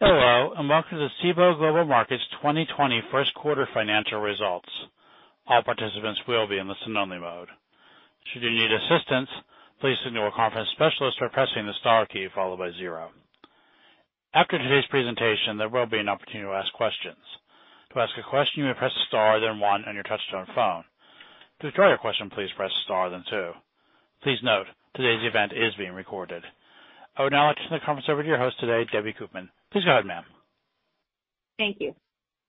Hello, and welcome to the Cboe Global Markets 2020 first quarter financial results. All participants will be in the listen-only mode. Should you need assistance, please signal a conference specialist by pressing the star key followed by zero. After today's presentation, there will be an opportunity to ask questions. To ask a question, you may press star then one on your touch-tone phone. To withdraw your question, please press star then two. Please note, today's event is being recorded. I would now like to turn the conference over to your host today, Debbie Koopman. Please go ahead, ma'am. Thank you.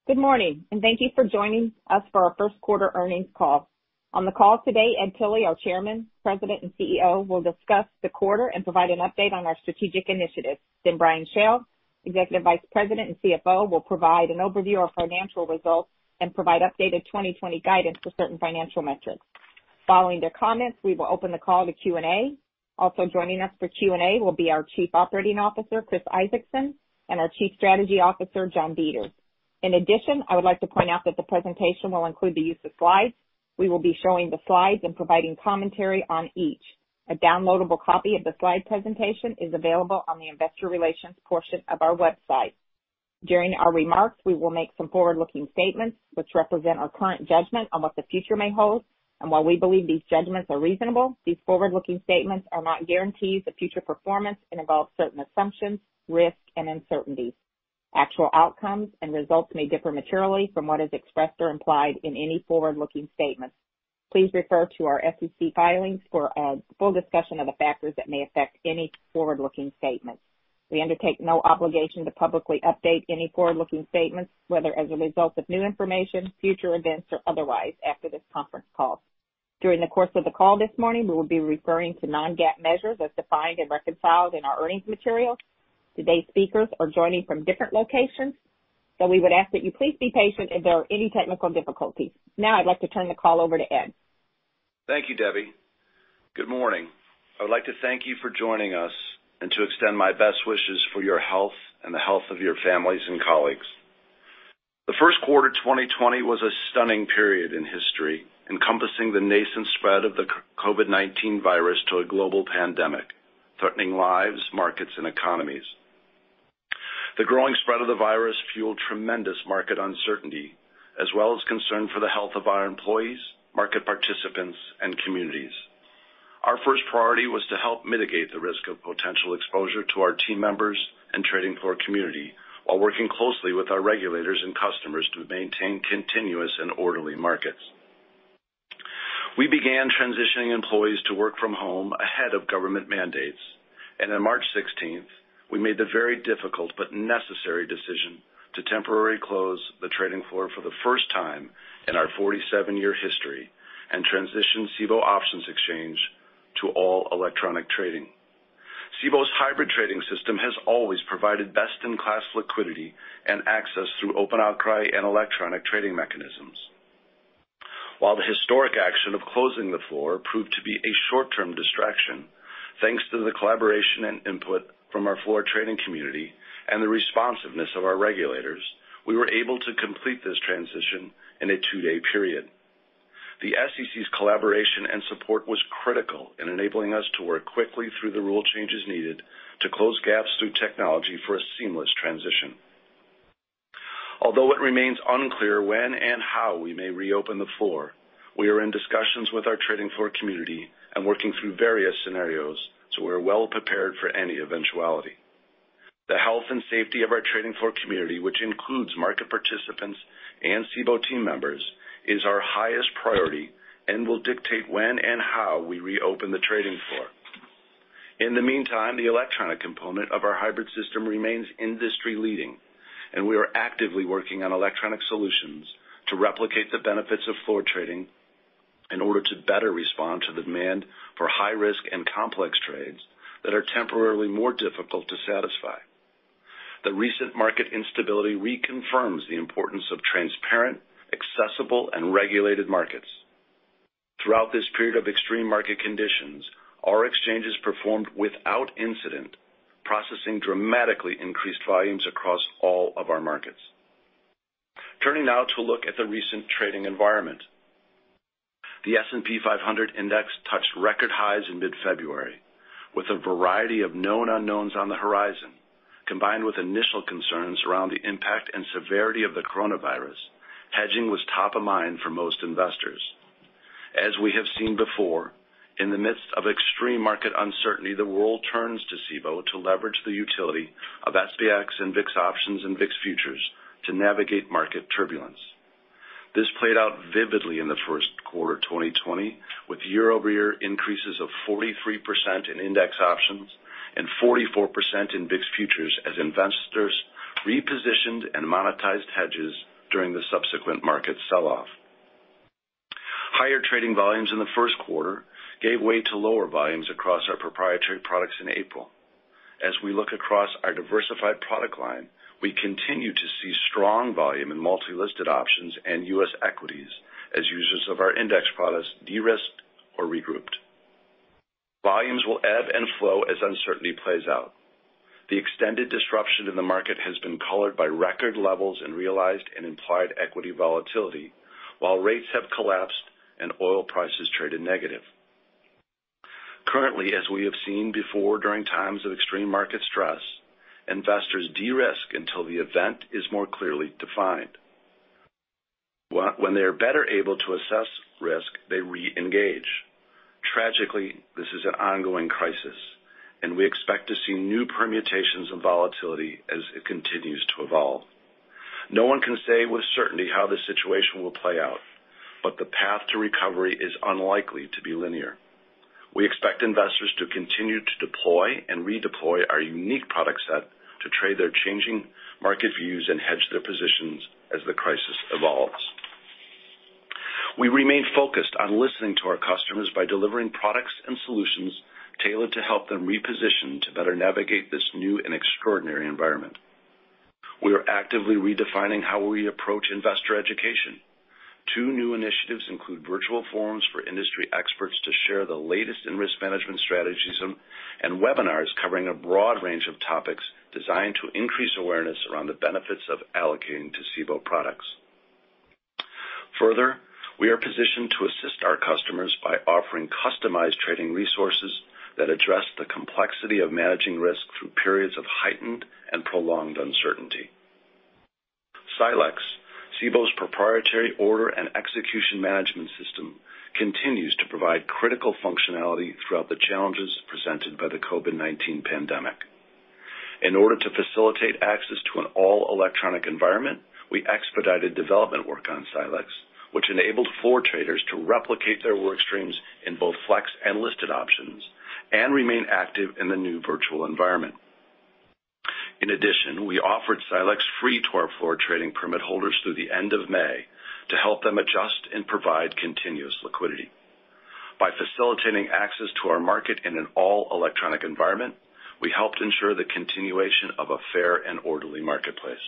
Good morning, and thank you for joining us for our first quarter earnings call. On the call today, Ed Tilly, our Chairman, President, and CEO, will discuss the quarter and provide an update on our strategic initiatives. Brian Schell, Executive Vice President and CFO, will provide an overview of financial results and provide updated 2020 guidance for certain financial metrics. Following their comments, we will open the call to Q&A. Also joining us for Q&A will be our Chief Operating Officer, Chris Isaacson, and our Chief Strategy Officer, John Deters. In addition, I would like to point out that the presentation will include the use of slides. We will be showing the slides and providing commentary on each. A downloadable copy of the slide presentation is available on the investor relations portion of our website. During our remarks, we will make some forward-looking statements which represent our current judgment on what the future may hold. While we believe these judgments are reasonable, these forward-looking statements are not guarantees of future performance and involve certain assumptions, risks, and uncertainties. Actual outcomes and results may differ materially from what is expressed or implied in any forward-looking statements. Please refer to our SEC filings for a full discussion of the factors that may affect any forward-looking statements. We undertake no obligation to publicly update any forward-looking statements, whether as a result of new information, future events, or otherwise after this conference call. During the course of the call this morning, we will be referring to non-GAAP measures as defined and reconciled in our earnings materials. Today's speakers are joining from different locations, we would ask that you please be patient if there are any technical difficulties. Now I'd like to turn the call over to Ed. Thank you, Debbie. Good morning. I would like to thank you for joining us and to extend my best wishes for your health and the health of your families and colleagues. The first quarter 2020 was a stunning period in history, encompassing the nascent spread of the COVID-19 virus to a global pandemic, threatening lives, markets, and economies. The growing spread of the virus fueled tremendous market uncertainty, as well as concern for the health of our employees, market participants, and communities. Our first priority was to help mitigate the risk of potential exposure to our team members and trading floor community while working closely with our regulators and customers to maintain continuous and orderly markets. We began transitioning employees to work from home ahead of government mandates. On March 16th, we made the very difficult but necessary decision to temporarily close the trading floor for the first time in our 47-year history and transition Cboe Options Exchange to all electronic trading. Cboe's hybrid trading system has always provided best-in-class liquidity and access through open outcry and electronic trading mechanisms. While the historic action of closing the floor proved to be a short-term distraction, thanks to the collaboration and input from our floor trading community and the responsiveness of our regulators, we were able to complete this transition in a two-day period. The SEC's collaboration and support was critical in enabling us to work quickly through the rule changes needed to close gaps through technology for a seamless transition. Although it remains unclear when and how we may reopen the floor, we are in discussions with our trading floor community and working through various scenarios, so we're well prepared for any eventuality. The health and safety of our trading floor community, which includes market participants and Cboe team members, is our highest priority and will dictate when and how we reopen the trading floor. In the meantime, the electronic component of our hybrid system remains industry-leading, and we are actively working on electronic solutions to replicate the benefits of floor trading in order to better respond to the demand for high-risk and complex trades that are temporarily more difficult to satisfy. The recent market instability reconfirms the importance of transparent, accessible, and regulated markets. Throughout this period of extreme market conditions, our exchanges performed without incident, processing dramatically increased volumes across all of our markets. Turning now to look at the recent trading environment. The S&P 500 Index touched record highs in mid-February with a variety of known unknowns on the horizon, combined with initial concerns around the impact and severity of the coronavirus, hedging was top of mind for most investors. As we have seen before, in the midst of extreme market uncertainty, the world turns to Cboe to leverage the utility of SPX and VIX options and VIX futures to navigate market turbulence. This played out vividly in the first quarter of 2020, with year-over-year increases of 43% in index options and 44% in VIX futures as investors repositioned and monetized hedges during the subsequent market sell-off. Higher trading volumes in the first quarter gave way to lower volumes across our proprietary products in April. As we look across our diversified product line, we continue to see strong volume in multi-listed options and U.S. equities as users of our index products de-risked or regrouped. Volumes will ebb and flow as uncertainty plays out. The extended disruption in the market has been colored by record levels in realized and implied equity volatility, while rates have collapsed and oil prices traded negative. Currently, as we have seen before during times of extreme market stress, investors de-risk until the event is more clearly defined. When they're better able to assess risk, they re-engage. Tragically, this is an ongoing crisis, and we expect to see new permutations of volatility as it continues to evolve. No one can say with certainty how this situation will play out, but the path to recovery is unlikely to be linear. We expect investors to continue to deploy and redeploy our unique product set to trade their changing market views and hedge their positions as the crisis evolves. We remain focused on listening to our customers by delivering products and solutions tailored to help them reposition to better navigate this new and extraordinary environment. We are actively redefining how we approach investor education. Two new initiatives include virtual forums for industry experts to share the latest in risk management strategies, and webinars covering a broad range of topics designed to increase awareness around the benefits of allocating to Cboe products. We are positioned to assist our customers by offering customized trading resources that address the complexity of managing risk through periods of heightened and prolonged uncertainty. Silexx, Cboe's proprietary order and execution management system, continues to provide critical functionality throughout the challenges presented by the COVID-19 pandemic. In order to facilitate access to an all-electronic environment, we expedited development work on Silexx, which enabled floor traders to replicate their workstreams in both FLEX and listed options and remain active in the new virtual environment. In addition, we offered Silexx free to our floor trading permit holders through the end of May to help them adjust and provide continuous liquidity. By facilitating access to our market in an all-electronic environment, we helped ensure the continuation of a fair and orderly marketplace.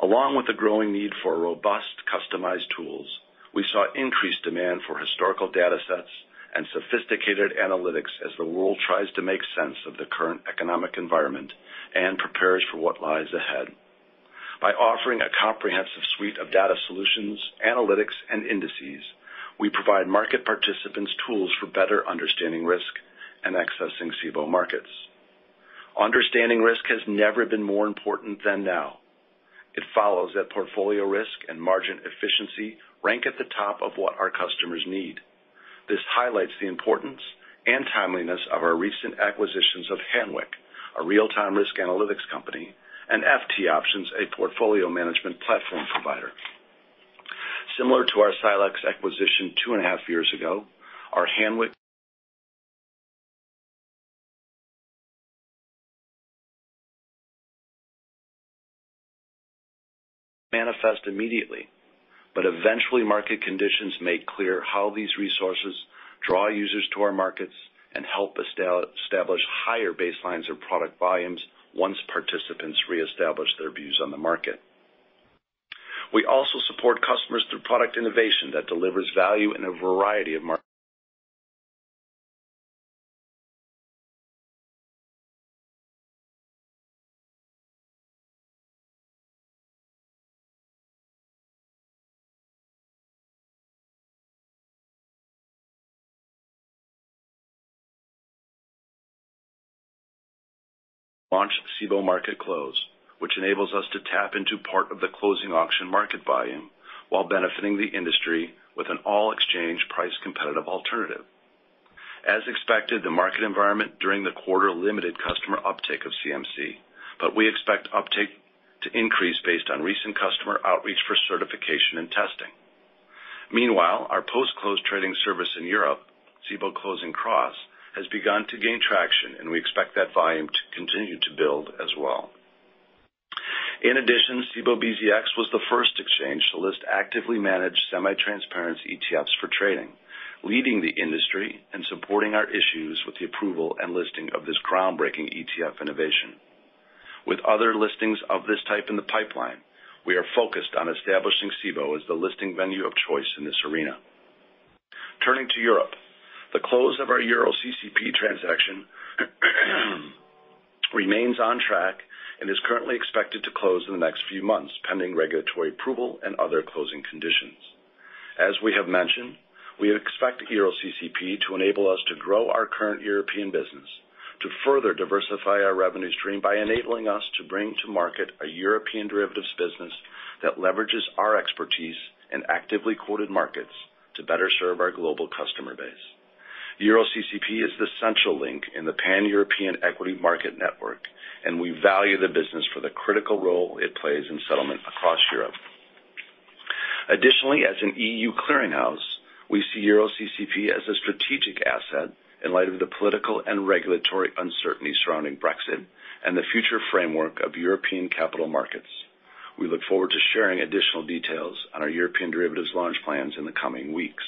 Along with the growing need for robust, customized tools, we saw increased demand for historical data sets and sophisticated analytics as the world tries to make sense of the current economic environment and prepares for what lies ahead. By offering a comprehensive suite of data solutions, analytics, and indices, we provide market participants tools for better understanding risk and accessing Cboe markets. Understanding risk has never been more important than now. It follows that portfolio risk and margin efficiency rank at the top of what our customers need. This highlights the importance and timeliness of our recent acquisitions of Hanweck, a real-time risk analytics company, and FT Options, a portfolio management platform provider. Similar to our Silexx acquisition two and a half years ago, our Hanweck manifest immediately, but eventually market conditions made clear how these resources draw users to our markets and help establish higher baselines of product volumes once participants reestablish their views on the market. We also support customers through product innovation that delivers value in a variety of markets. We launch Cboe Market Close, which enables us to tap into part of the closing auction market volume while benefiting the industry with an all-exchange price competitive alternative. As expected, the market environment during the quarter limited customer uptake of CMC, but we expect uptake to increase based on recent customer outreach for certification and testing. Meanwhile, our post-close trading service in Europe, Cboe Closing Cross, has begun to gain traction, and we expect that volume to continue to build as well. In addition, Cboe BZX was the first exchange to list actively managed semi-transparent ETFs for trading, leading the industry and supporting our issues with the approval and listing of this groundbreaking ETF innovation. With other listings of this type in the pipeline, we are focused on establishing Cboe as the listing venue of choice in this arena. Turning to Europe, the close of our EuroCCP transaction remains on track and is currently expected to close in the next few months, pending regulatory approval and other closing conditions. As we have mentioned, we expect EuroCCP to enable us to grow our current European business, to further diversify our revenue stream by enabling us to bring to market a European derivatives business that leverages our expertise in actively quoted markets to better serve our global customer base. EuroCCP is the central link in the Pan-European equity market network, and we value the business for the critical role it plays in settlement across Europe. Additionally, as an E.U. clearinghouse, we see EuroCCP as a strategic asset in light of the political and regulatory uncertainty surrounding Brexit and the future framework of European capital markets. We look forward to sharing additional details on our European derivatives launch plans in the coming weeks.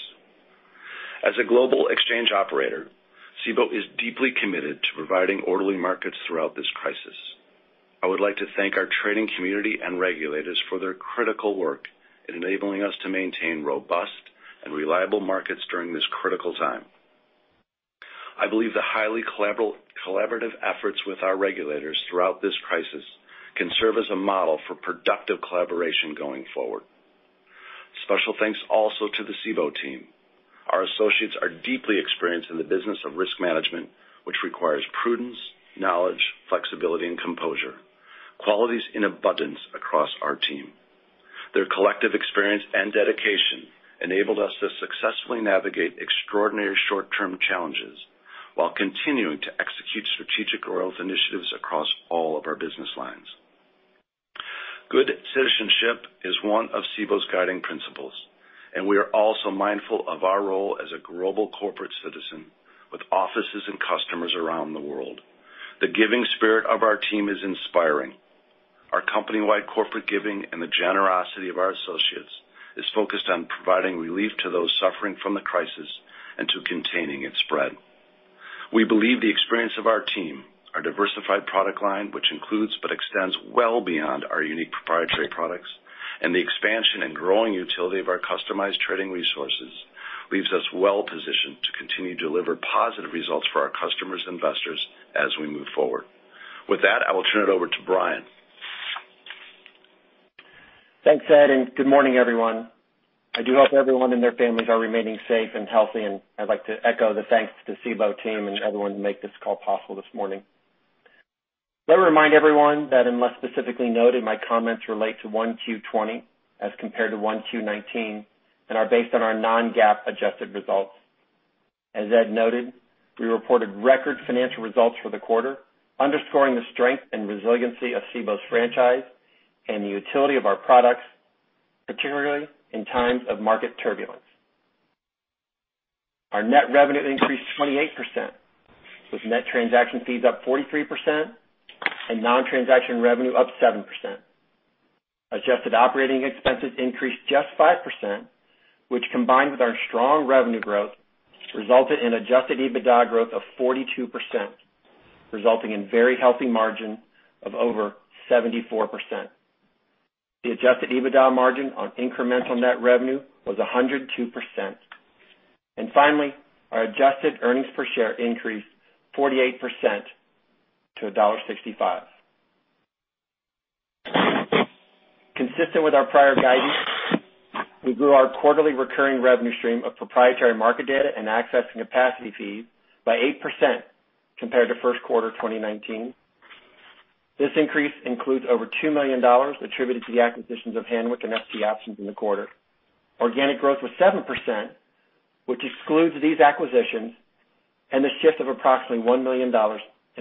As a global exchange operator, Cboe is deeply committed to providing orderly markets throughout this crisis. I would like to thank our trading community and regulators for their critical work in enabling us to maintain robust and reliable markets during this critical time. I believe the highly collaborative efforts with our regulators throughout this crisis can serve as a model for productive collaboration going forward. Special thanks also to the Cboe team. Our associates are deeply experienced in the business of risk management, which requires prudence, knowledge, flexibility, and composure, qualities in abundance across our team. Their collective experience and dedication enabled us to successfully navigate extraordinary short-term challenges while continuing to execute strategic growth initiatives across all of our business lines. Good citizenship is one of Cboe's guiding principles, and we are also mindful of our role as a global corporate citizen with offices and customers around the world. The giving spirit of our team is inspiring. Our company-wide corporate giving and the generosity of our associates is focused on providing relief to those suffering from the crisis and to containing its spread. We believe the experience of our team, our diversified product line, which includes but extends well beyond our unique proprietary products, and the expansion and growing utility of our customized trading resources, leaves us well positioned to continue to deliver positive results for our customers and investors as we move forward. With that, I will turn it over to Brian. Thanks, Ed, and good morning, everyone. I do hope everyone and their families are remaining safe and healthy, and I'd like to echo the thanks to the Cboe team and everyone who made this call possible this morning. Let me remind everyone that unless specifically noted, my comments relate to one Q20 as compared to one Q19 and are based on our non-GAAP adjusted results. As Ed noted, we reported record financial results for the quarter, underscoring the strength and resiliency of Cboe's franchise and the utility of our products, particularly in times of market turbulence. Our net revenue increased 28%, with net transaction fees up 43% and non-transaction revenue up 7%. Adjusted operating expenses increased just 5%, which combined with our strong revenue growth, resulted in adjusted EBITDA growth of 42%, resulting in very healthy margin of over 74%. The adjusted EBITDA margin on incremental net revenue was 102%. Our adjusted EPS increased 48% to $1.65. Consistent with our prior guidance, we grew our quarterly recurring revenue stream of proprietary market data and access and capacity fees by 8% compared to Q1 2019. This increase includes over $2 million attributed to the acquisitions of Hanweck and FT Options in the quarter. Organic growth was 7%, which excludes these acquisitions and the shift of approximately $1 million in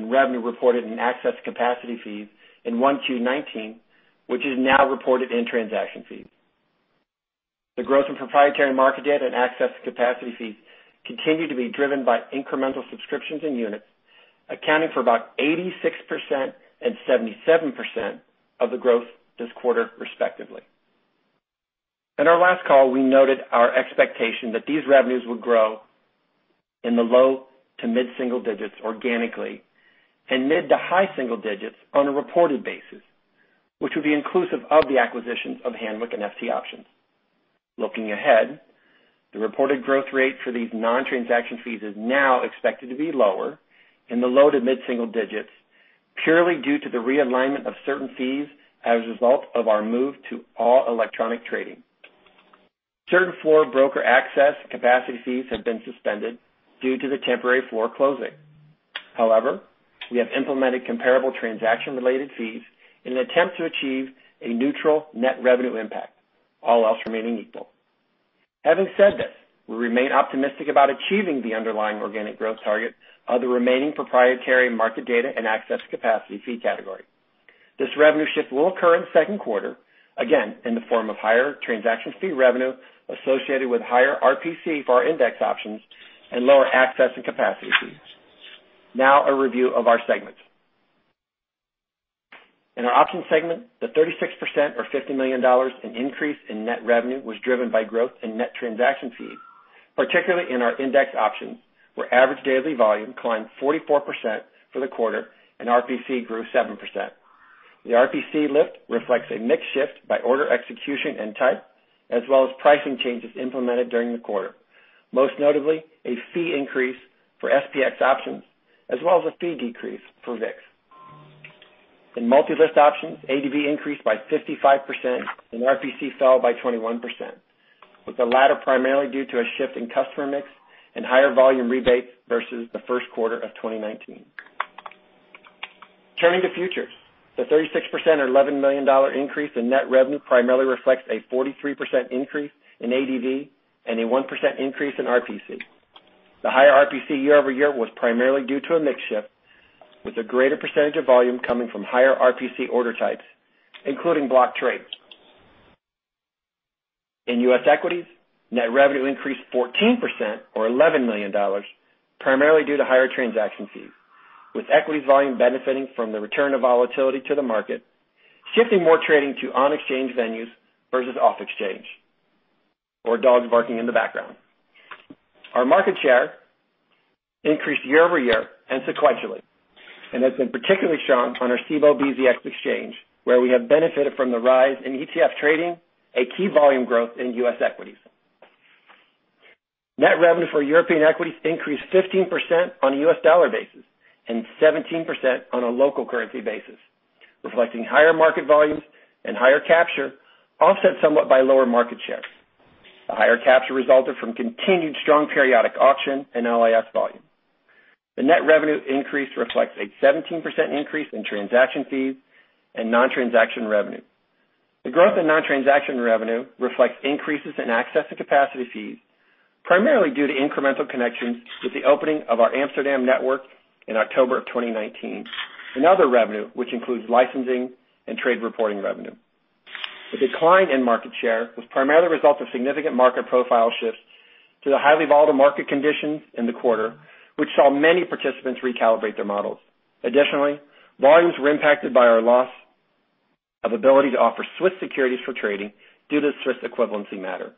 revenue reported in access capacity fees in Q1 2019, which is now reported in transaction fees. The growth in proprietary market data and access capacity fees continue to be driven by incremental subscriptions and units, accounting for about 86% and 77% of the growth this quarter, respectively. In our last call, we noted our expectation that these revenues would grow in the low to mid-single digits organically and mid to high single digits on a reported basis, which would be inclusive of the acquisitions of Hanweck and FT Options. Looking ahead, the reported growth rate for these non-transaction fees is now expected to be lower in the low to mid-single digits purely due to the realignment of certain fees as a result of our move to all electronic trading. Certain floor broker access capacity fees have been suspended due to the temporary floor closing. However, we have implemented comparable transaction-related fees in an attempt to achieve a neutral net revenue impact, all else remaining equal. Having said this, we remain optimistic about achieving the underlying organic growth target of the remaining proprietary market data and access capacity fee category. This revenue shift will occur in the second quarter, again, in the form of higher transaction fee revenue associated with higher RPC for our index options and lower access and capacity fees. Now, a review of our segments. In our options segment, the 36% or $50 million increase in net revenue was driven by growth in net transaction fees, particularly in our index options, where average daily volume climbed 44% for the quarter and RPC grew 7%. The RPC lift reflects a mix shift by order execution and type, as well as pricing changes implemented during the quarter. Most notably, a fee increase for SPX options as well as a fee decrease for VIX. In multi-list options, ADV increased by 55% and RPC fell by 21%, with the latter primarily due to a shift in customer mix and higher volume rebates versus the first quarter of 2019. Turning to futures, the 36% or $11 million increase in net revenue primarily reflects a 43% increase in ADV and a 1% increase in RPC. The higher RPC year-over-year was primarily due to a mix shift with a greater percentage of volume coming from higher RPC order types, including block trades. In U.S. equities, net revenue increased 14% or $11 million, primarily due to higher transaction fees, with equities volume benefiting from the return of volatility to the market, shifting more trading to on-exchange venues versus off-exchange or dogs barking in the background. Our market share increased year-over-year and sequentially. That's been particularly strong on our Cboe BZX Exchange, where we have benefited from the rise in ETF trading, a key volume growth in U.S. equities. Net revenue for European equities increased 15% on a US dollar basis and 17% on a local currency basis, reflecting higher market volumes and higher capture, offset somewhat by lower market share. The higher capture resulted from continued strong periodic auction and LIS volume. The net revenue increase reflects a 17% increase in transaction fees and non-transaction revenue. The growth in non-transaction revenue reflects increases in access to capacity fees, primarily due to incremental connections with the opening of our Amsterdam network in October of 2019. Another revenue, which includes licensing and trade reporting revenue. The decline in market share was primarily a result of significant market profile shifts to the highly volatile market conditions in the quarter, which saw many participants recalibrate their models. Additionally, volumes were impacted by our loss of ability to offer Swiss securities for trading due to the Swiss equivalency matter.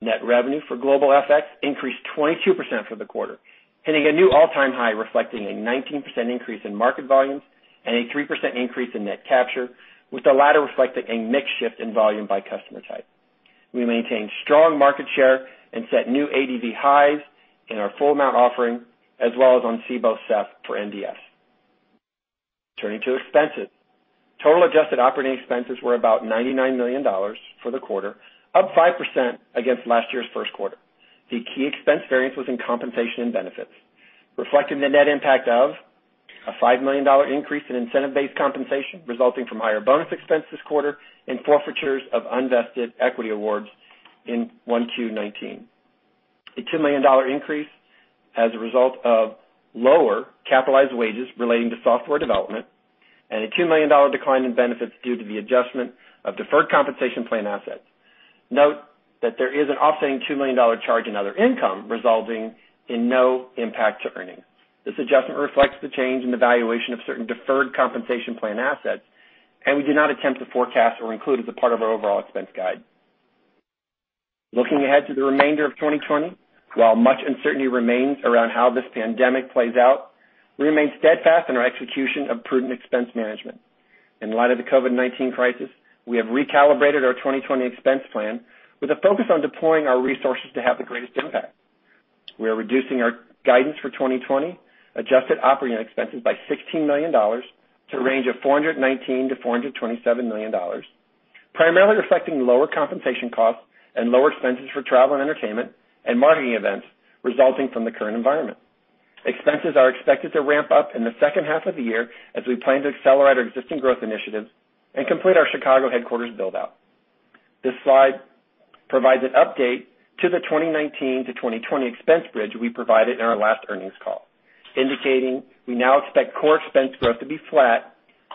Net revenue for global FX increased 22% for the quarter, hitting a new all-time high, reflecting a 19% increase in market volumes and a 3% increase in net capture, with the latter reflecting a mix shift in volume by customer type. We maintained strong market share and set new ADV highs in our full amount offering, as well as on Cboe SEF for NDFs. Turning to expenses. Total adjusted operating expenses were about $99 million for the quarter, up 5% against last year's first quarter. The key expense variance was in compensation and benefits, reflecting the net impact of a $5 million increase in incentive-based compensation resulting from higher bonus expense this quarter and forfeitures of unvested equity awards in Q1 2019. A $2 million increase as a result of lower capitalized wages relating to software development, and a $2 million decline in benefits due to the adjustment of deferred compensation plan assets. Note that there is an offsetting $2 million charge in other income, resulting in no impact to earnings. This adjustment reflects the change in the valuation of certain deferred compensation plan assets, and we do not attempt to forecast or include as a part of our overall expense guide. Looking ahead to the remainder of 2020, while much uncertainty remains around how this pandemic plays out, we remain steadfast in our execution of prudent expense management. In light of the COVID-19 crisis, we have recalibrated our 2020 expense plan with a focus on deploying our resources to have the greatest impact. We are reducing our guidance for 2020 adjusted operating expenses by $16 million to a range of $419 million-$427 million, primarily reflecting lower compensation costs and lower expenses for travel and entertainment and marketing events resulting from the current environment. Expenses are expected to ramp up in the second half of the year as we plan to accelerate our existing growth initiatives and complete our Chicago headquarters build-out. This slide provides an update to the 2019-2020 expense bridge we provided in our last earnings call, indicating we now expect core expense growth to be flat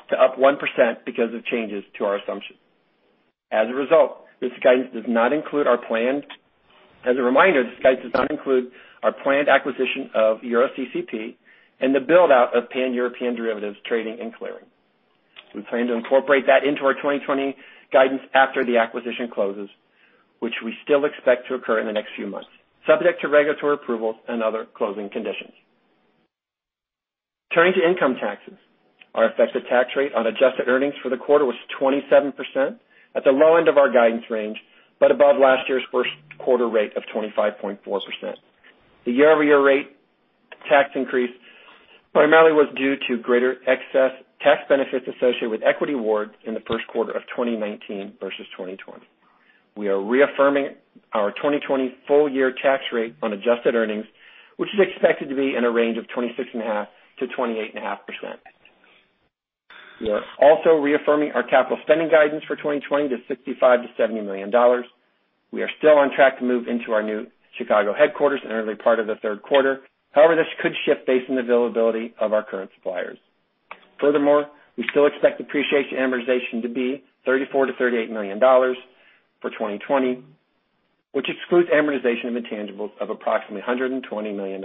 to up 1% because of changes to our assumptions. As a reminder, this guidance does not include our planned acquisition of EuroCCP and the build-out of pan-European derivatives trading and clearing. We plan to incorporate that into our 2020 guidance after the acquisition closes, which we still expect to occur in the next few months, subject to regulatory approvals and other closing conditions. Turning to income taxes. Our effective tax rate on adjusted earnings for the quarter was 27%. That's a low end of our guidance range, but above last year's first quarter rate of 25.4%. The year-over-year rate tax increase primarily was due to greater excess tax benefits associated with equity awards in the first quarter of 2019 versus 2020. We are reaffirming our 2020 full-year tax rate on adjusted earnings, which is expected to be in a range of 26.5%-28.5%. We are also reaffirming our capital spending guidance for 2020 to $65 million-$70 million. We are still on track to move into our new Chicago headquarters in the early part of the third quarter. This could shift based on the availability of our current suppliers. We still expect depreciation amortization to be $34 million-$38 million for 2020, which excludes amortization of intangibles of approximately $120 million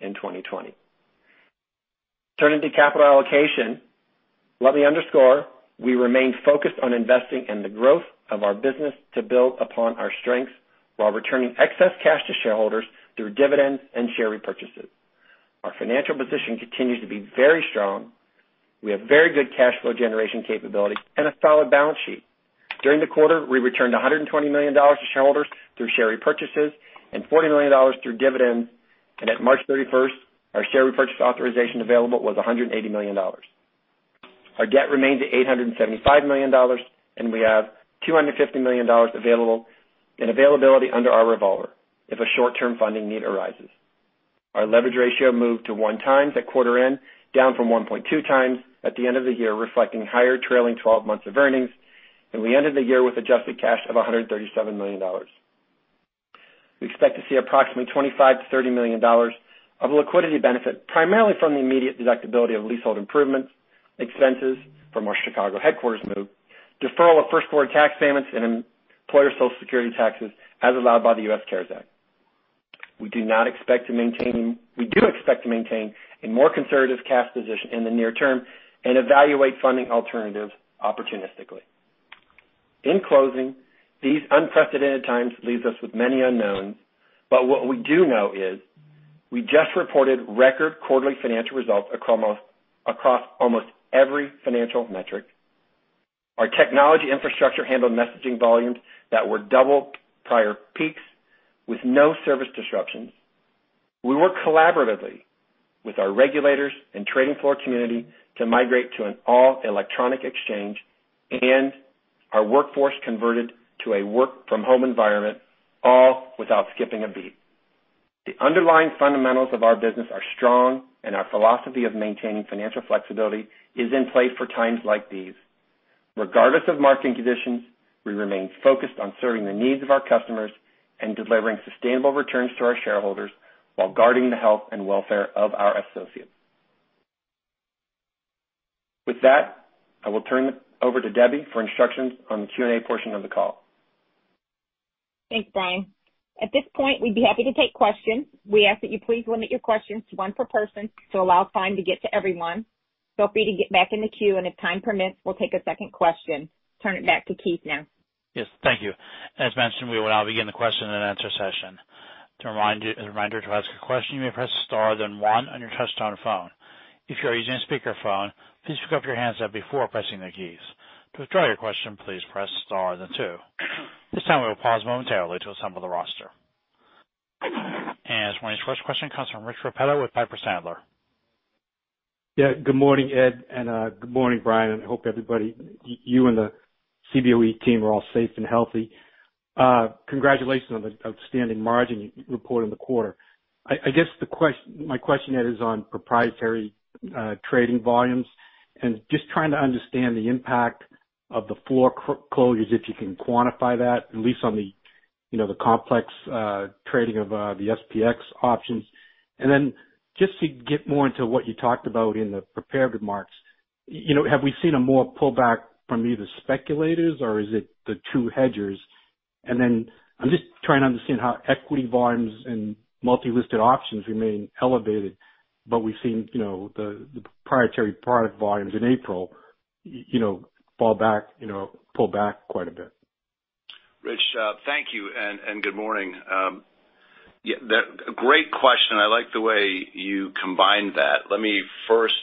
in 2020. Turning to capital allocation. Let me underscore, we remain focused on investing in the growth of our business to build upon our strengths while returning excess cash to shareholders through dividends and share repurchases. Our financial position continues to be very strong. We have very good cash flow generation capability and a solid balance sheet. During the quarter, we returned $120 million to shareholders through share repurchases and $40 million through dividends, and at March 31st, our share repurchase authorization available was $180 million. Our debt remains at $875 million, and we have $250 million available in availability under our revolver if a short-term funding need arises. Our leverage ratio moved to 1x at quarter end, down from 1.2x at the end of the year, reflecting higher trailing 12 months of earnings, and we ended the year with adjusted cash of $137 million. We expect to see approximately $25 million-$30 million of liquidity benefit, primarily from the immediate deductibility of leasehold improvements, expenses from our Chicago headquarters move, deferral of first-quarter tax payments and employer Social Security taxes as allowed by the U.S. CARES Act. We do expect to maintain a more conservative cash position in the near term and evaluate funding alternatives opportunistically. In closing, these unprecedented times leave us with many unknowns, but what we do know is we just reported record quarterly financial results across almost every financial metric. Our technology infrastructure handled messaging volumes that were double prior peaks with no service disruptions. We worked collaboratively with our regulators and trading floor community to migrate to an all-electronic exchange, and our workforce converted to a work-from-home environment, all without skipping a beat. The underlying fundamentals of our business are strong, and our philosophy of maintaining financial flexibility is in place for times like these. Regardless of market conditions, we remain focused on serving the needs of our customers and delivering sustainable returns to our shareholders while guarding the health and welfare of our associates. With that, I will turn it over to Debbie for instructions on the Q&A portion of the call. Thanks, Brian. At this point, we'd be happy to take questions. We ask that you please limit your questions to one per person to allow time to get to everyone. Feel free to get back in the queue, and if time permits, we'll take a second question. Turn it back to Keith now. Yes, thank you. As mentioned, we will now begin the question and answer session. A reminder, to ask a question, you may press star then one on your touch-tone phone. If you are using a speakerphone, please pick up your handset before pressing the keys. To withdraw your question, please press star then two. At this time, we will pause momentarily to assemble the roster. This morning's first question comes from Rich Repetto with Piper Sandler. Good morning, Ed, and good morning, Brian. I hope everybody, you and the Cboe team, are all safe and healthy. Congratulations on the outstanding margin you reported in the quarter. I guess my question, Ed, is on proprietary trading volumes and just trying to understand the impact of the floor closures, if you can quantify that, at least on the complex trading of the SPX options. Just to get more into what you talked about in the prepared remarks, have we seen a more pullback from either speculators or is it the true hedgers? I'm just trying to understand how equity volumes and multi-listed options remain elevated, but we've seen the proprietary product volumes in April pull back quite a bit. Rich, thank you. Good morning. Great question. I like the way you combined that. Let me first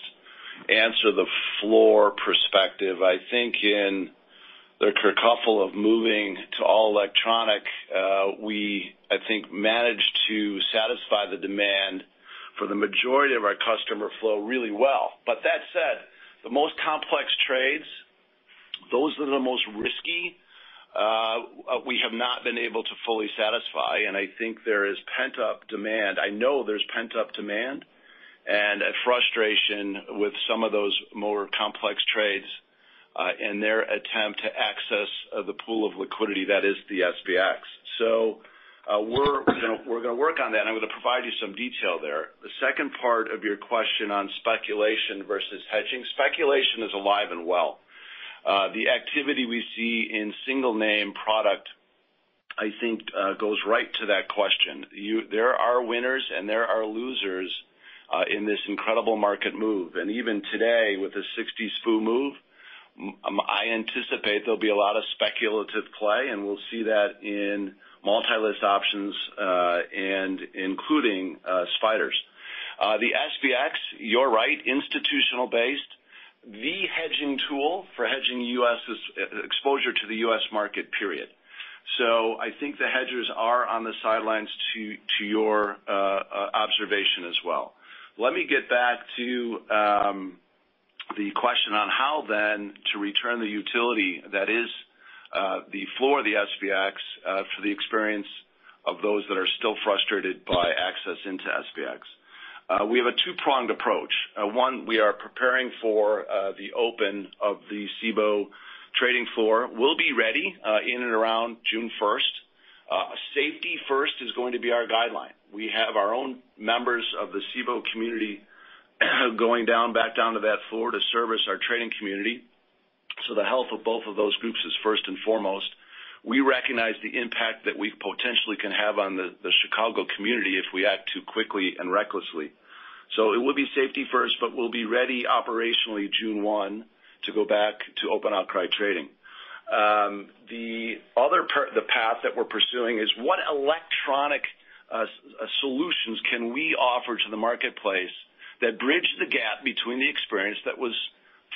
answer the floor perspective. I think in the kerfuffle of moving to all electronic, we, I think, managed to satisfy the demand for the majority of our customer flow really well. That said, the most complex trades, those that are the most risky, we have not been able to fully satisfy, and I think there is pent-up demand. I know there's pent-up demand and a frustration with some of those more complex trades in their attempt to access the pool of liquidity that is the SPX. We're going to work on that, and I'm going to provide you some detail there. The second part of your question on speculation versus hedging. Speculation is alive and well. The activity we see in single name product, I think, goes right to that question. There are winners and there are losers in this incredible market move. Even today with the 60-spoo move, I anticipate there'll be a lot of speculative play and we'll see that in multi-list options and including SPDRs. The SPX, you're right, institutional based, the hedging tool for hedging exposure to the U.S. market, period. I think the hedgers are on the sidelines to your observation as well. Let me get back to the question on how then to return the utility that is the floor of the SPX for the experience of those that are still frustrated by access into SPX. We have a two-pronged approach. One, we are preparing for the open of the Cboe trading floor. We'll be ready in and around June 1st. Safety first is going to be our guideline. We have our own members of the Cboe community going back down to that floor to service our trading community, so the health of both of those groups is first and foremost. We recognize the impact that we potentially can have on the Chicago community if we act too quickly and recklessly. It will be safety first, but we'll be ready operationally June 1 to go back to open outcry trading. The path that we're pursuing is what electronic solutions can we offer to the marketplace that bridge the gap between the experience that was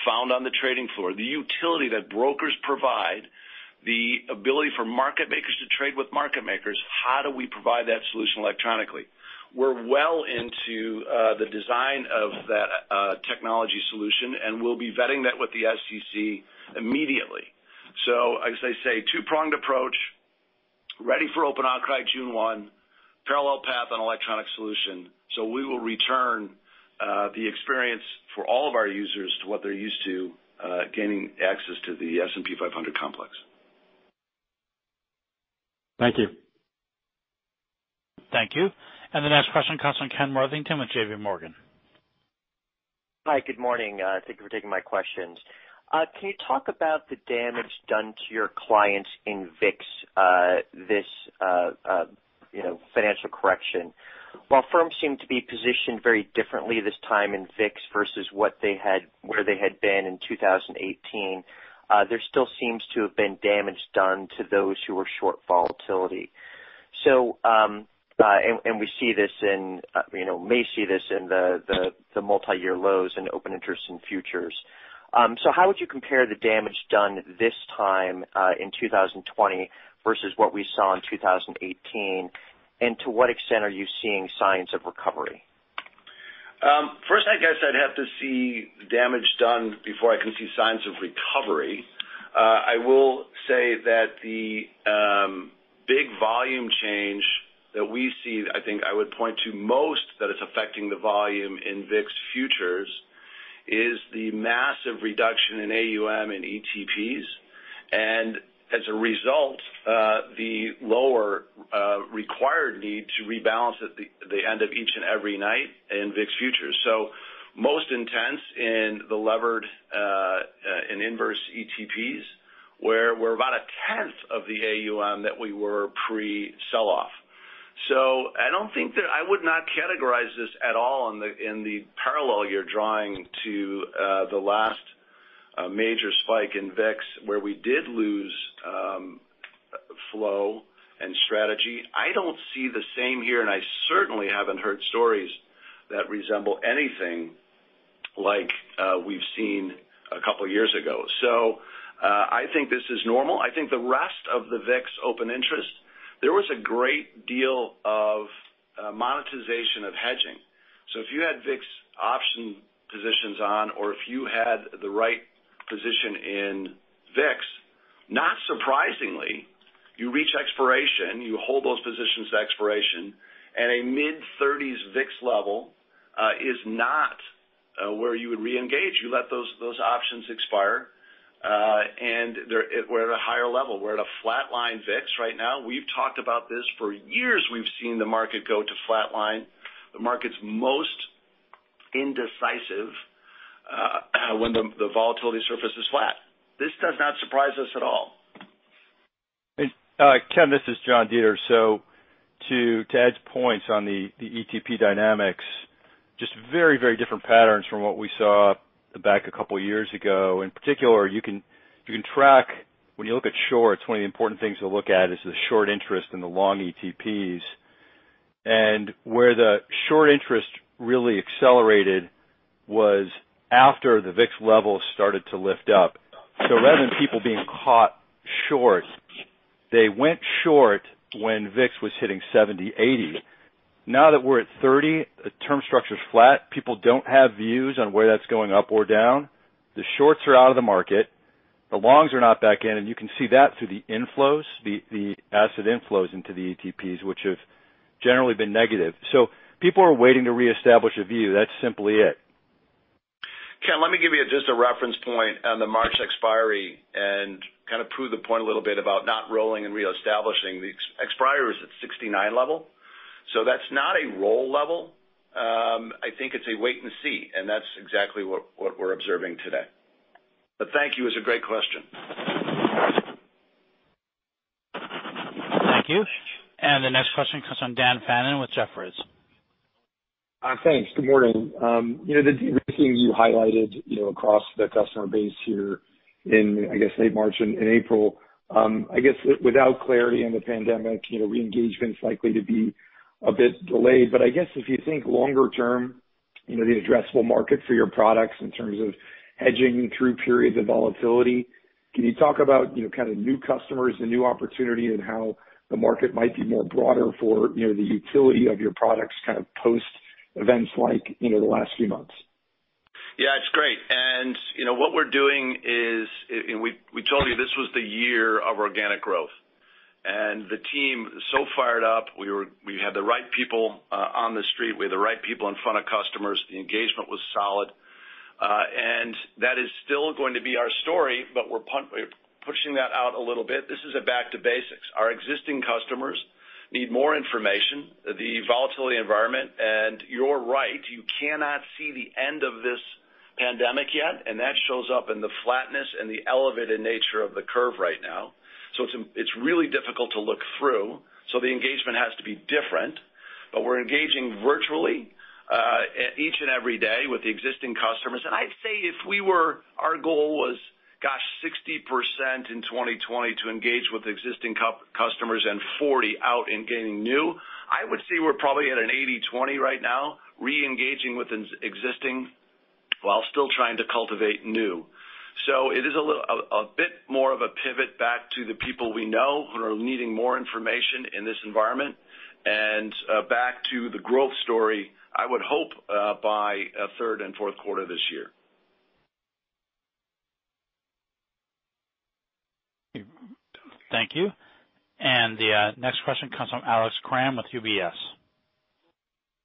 found on the trading floor, the utility that brokers provide, the ability for market makers to trade with market makers, how do we provide that solution electronically? We're well into the design of that technology solution, and we'll be vetting that with the SEC immediately. As I say, two-pronged approach, ready for open outcry June 1, parallel path on electronic solution. We will return the experience for all of our users to what they're used to gaining access to the S&P 500 complex. Thank you. Thank you. The next question comes from Ken Worthington with JPMorgan. Hi, good morning. Thank you for taking my questions. Can you talk about the damage done to your clients in VIX this financial correction? While firms seem to be positioned very differently this time in VIX versus where they had been in 2018, there still seems to have been damage done to those who were short volatility. We may see this in the multi-year lows and open interest in futures. How would you compare the damage done this time, in 2020, versus what we saw in 2018? To what extent are you seeing signs of recovery? First, I guess I'd have to see damage done before I can see signs of recovery. I will say that the big volume change that we see, I think I would point to most, that is affecting the volume in VIX futures, is the massive reduction in AUM and ETPs. As a result, the lower required need to rebalance at the end of each and every night in VIX futures. Most intense in the levered and inverse ETPs, where we're about a 10th of the AUM that we were pre-sell off. I would not categorize this at all in the parallel you're drawing to the last major spike in VIX, where we did lose flow and strategy. I don't see the same here, and I certainly haven't heard stories that resemble anything like we've seen a couple of years ago. I think this is normal. I think the rest of the VIX open interest, there was a great deal of monetization of hedging. If you had VIX option positions on or if you had the right position in VIX, not surprisingly, you reach expiration, you hold those positions to expiration, and a mid-30s VIX level is not where you would reengage. You let those options expire. We're at a higher level. We're at a flatline VIX right now. We've talked about this for years. We've seen the market go to flatline. The market's most indecisive when the volatility surface is flat. This does not surprise us at all. Ken, this is John Deters. To add points on the ETP dynamics, just very different patterns from what we saw back a couple of years ago. In particular, you can track when you look at shorts, one of the important things to look at is the short interest in the long ETPs. Where the short interest really accelerated was after the VIX level started to lift up. Rather than people being caught short, they went short when VIX was hitting 70, 80. Now that we're at 30, the term structure's flat. People don't have views on where that's going up or down. The shorts are out of the market. The longs are not back in, and you can see that through the inflows, the asset inflows into the ETPs, which have generally been negative. People are waiting to reestablish a view. That's simply it. Ken, let me give you just a reference point on the March expiry and kind of prove the point a little bit about not rolling and reestablishing. The expiry was at 69 level. That's not a roll level. I think it's a wait and see, and that's exactly what we're observing today. Thank you. It's a great question. Thank you. The next question comes from Dan Fannon with Jefferies. Thanks. Good morning. The thing you highlighted across the customer base here in, I guess, late March and April, I guess without clarity on the pandemic, reengagement's likely to be a bit delayed. I guess if you think longer term, the addressable market for your products in terms of hedging through periods of volatility, can you talk about kind of new customers and new opportunity and how the market might be more broader for the utility of your products kind of post events like the last few months? Yeah, it's great. What we're doing is, we told you this was the year of organic growth. The team so fired up. We had the right people on the street. We had the right people in front of customers. The engagement was solid. That is still going to be our story, but we're pushing that out a little bit. This is a back to basics. Our existing customers need more information, the volatility environment, you're right, you cannot see the end of this pandemic yet, that shows up in the flatness and the elevated nature of the curve right now. It's really difficult to look through. The engagement has to be different, but we're engaging virtually, each and every day with the existing customers. I'd say if our goal was, gosh, 60% in 2020 to engage with existing customers and 40% out in getting new, I would say we're probably at an 80/20 right now, reengaging with existing while still trying to cultivate new. It is a bit more of a pivot back to the people we know who are needing more information in this environment and back to the growth story, I would hope, by third and fourth quarter this year. Thank you. The next question comes from Alex Kramm with UBS.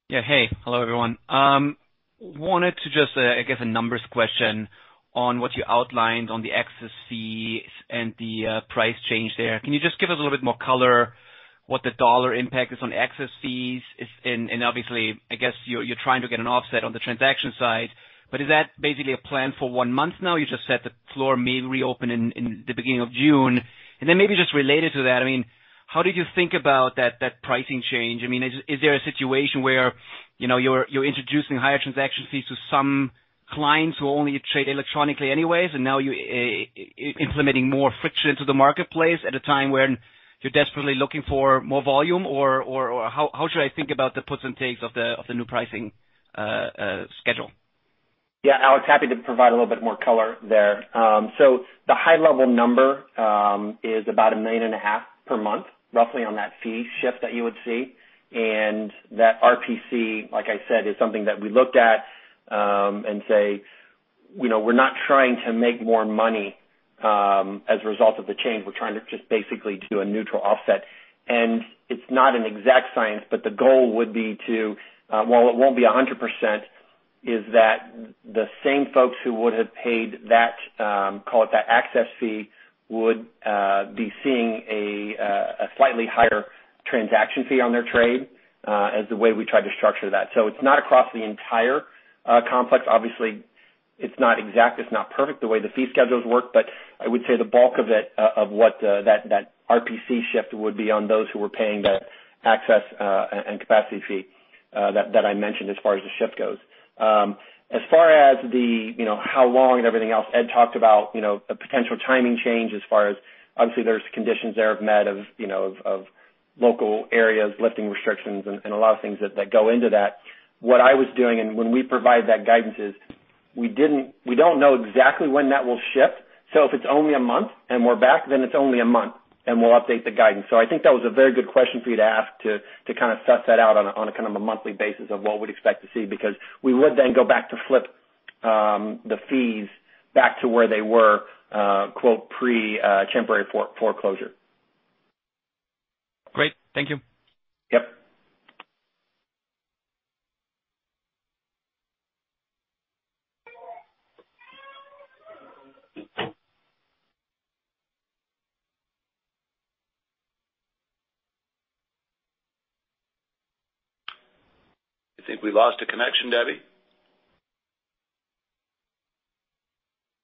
Yeah. Hey. Hello, everyone. Wanted to just, I guess a numbers question on what you outlined on the excess fees and the price change there. Can you just give us a little bit more color what the dollar impact is on excess fees is, and obviously, I guess you're trying to get an offset on the transaction side, but is that basically a plan for one month now? You just said the floor may reopen in the beginning of June. Then maybe just related to that, I mean, how did you think about that pricing change? Is there a situation where you're introducing higher transaction fees to some clients who only trade electronically anyways, and now you're implementing more friction to the marketplace at a time when you're desperately looking for more volume? Or how should I think about the puts and takes of the new pricing schedule? Yeah, Alex, happy to provide a little bit more color there. The high level number is about a million and a half per month, roughly on that fee shift that you would see. That RPC, like I said, is something that we looked at and say, we're not trying to make more money as a result of the change. We're trying to just basically do a neutral offset. It's not an exact science, but the goal would be to, while it won't be 100%, is that the same folks who would have paid that, call it that access fee, would be seeing a slightly higher transaction fee on their trade, as the way we tried to structure that. It's not across the entire complex. Obviously, it's not exact, it's not perfect the way the fee schedules work, but I would say the bulk of what that RPC shift would be on those who were paying the access and capacity fee that I mentioned as far as the shift goes. As far as how long and everything else, Ed talked about a potential timing change as far as, obviously, there's conditions there have met of local areas lifting restrictions and a lot of things that go into that. What I was doing and when we provide that guidance is, we don't know exactly when that will shift. If it's only a month and we're back, then it's only a month, and we'll update the guidance. I think that was a very good question for you to ask to kind of stock that out on a kind of a monthly basis of what we'd expect to see, because we would then go back to flip the fees back to where they were, quote, pre temporary foreclosure. Great. Thank you. Yep. I think we lost the connection, Debbie.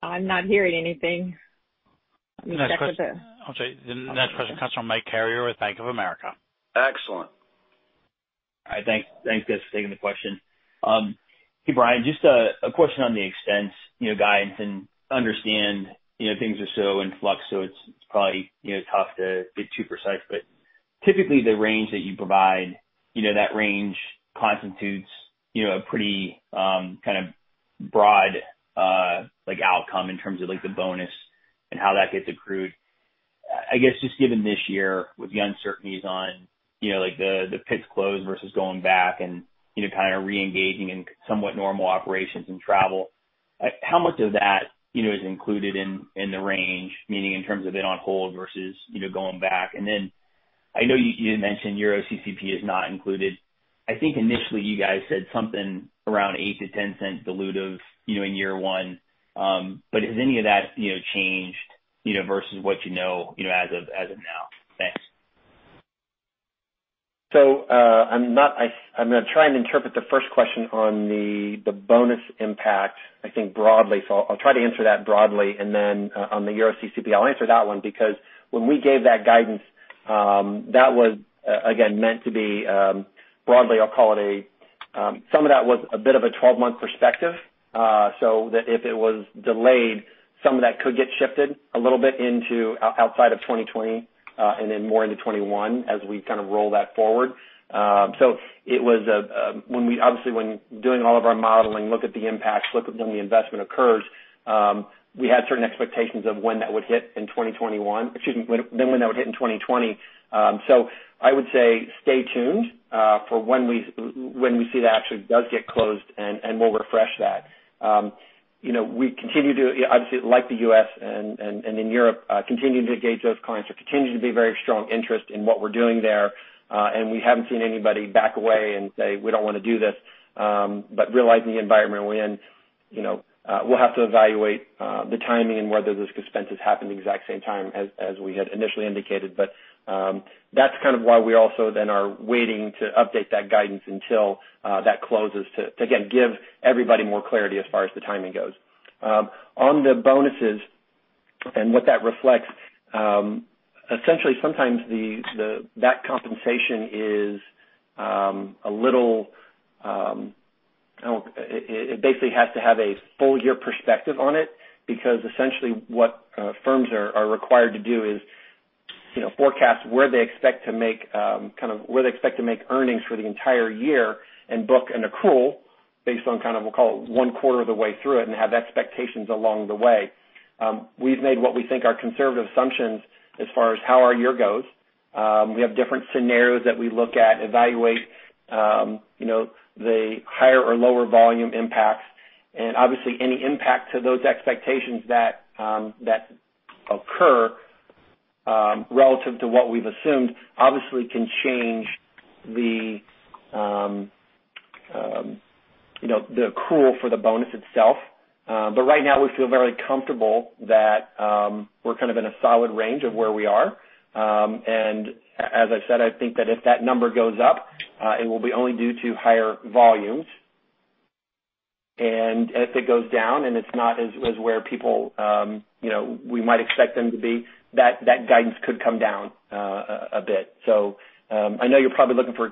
I'm not hearing anything. The next question comes from Mike Carrier with Bank of America. Excellent. Hi. Thanks guys for taking the question. Hey, Brian, just a question on the expense guidance. Understand things are so in flux, so it's probably tough to get too precise, but typically the range that you provide, that range constitutes a pretty kind of broad outcome in terms of the bonus and how that gets accrued. I guess, just given this year with the uncertainties on the pits closed versus going back and kind of reengaging in somewhat normal operations and travel, how much of that is included in the range, meaning in terms of it on hold versus going back? I know you had mentioned EuroCCP is not included. I think initially you guys said something around $0.08-$0.10 dilutive in year one. Has any of that changed versus what you know as of now? Thanks. I'm going to try and interpret the first question on the bonus impact, I think broadly. I'll try to answer that broadly, and then on the EuroCCP, I'll answer that one because when we gave that guidance, that was again, meant to be broadly. Some of that was a bit of a 12-month perspective. That if it was delayed, some of that could get shifted a little bit into outside of 2020, and then more into 2021 as we kind of roll that forward. Obviously when doing all of our modeling, look at the impacts, look at when the investment occurs. We had certain expectations of when that would hit in 2020. I would say stay tuned, for when we see that actually does get closed and we'll refresh that. Obviously, like the U.S. and in Europe, continuing to engage those clients. There continue to be very strong interest in what we're doing there. We haven't seen anybody back away and say, we don't want to do this. Realizing the environment we're in, we'll have to evaluate the timing and whether this dispense has happened the exact same time as we had initially indicated. That's kind of why we also then are waiting to update that guidance until that closes to, again, give everybody more clarity as far as the timing goes. On the bonuses and what that reflects, essentially, sometimes that compensation basically has to have a full year perspective on it because essentially what firms are required to do is forecast where they expect to make earnings for the entire year and book an accrual based on kind of, we'll call it one quarter of the way through it and have expectations along the way. We've made what we think are conservative assumptions as far as how our year goes. Obviously any impact to those expectations that occur relative to what we've assumed, obviously can change the accrual for the bonus itself. Right now, we feel very comfortable that we're kind of in a solid range of where we are. As I said, I think that if that number goes up, it will be only due to higher volumes. If it goes down and it's not as where we might expect them to be, that guidance could come down a bit. I know you're probably looking for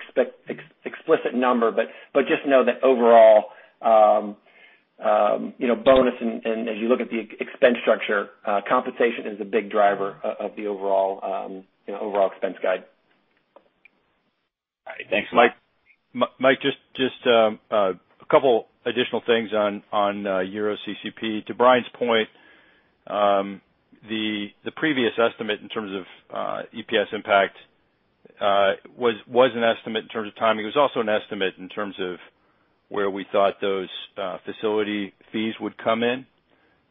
explicit number, but just know that overall, bonus and as you look at the expense structure, compensation is a big driver of the overall expense guide. All right. Thanks. Mike, just a couple additional things on EuroCCP. To Brian's point, the previous estimate in terms of EPS impact was an estimate in terms of timing. It was also an estimate in terms of where we thought those facility fees would come in.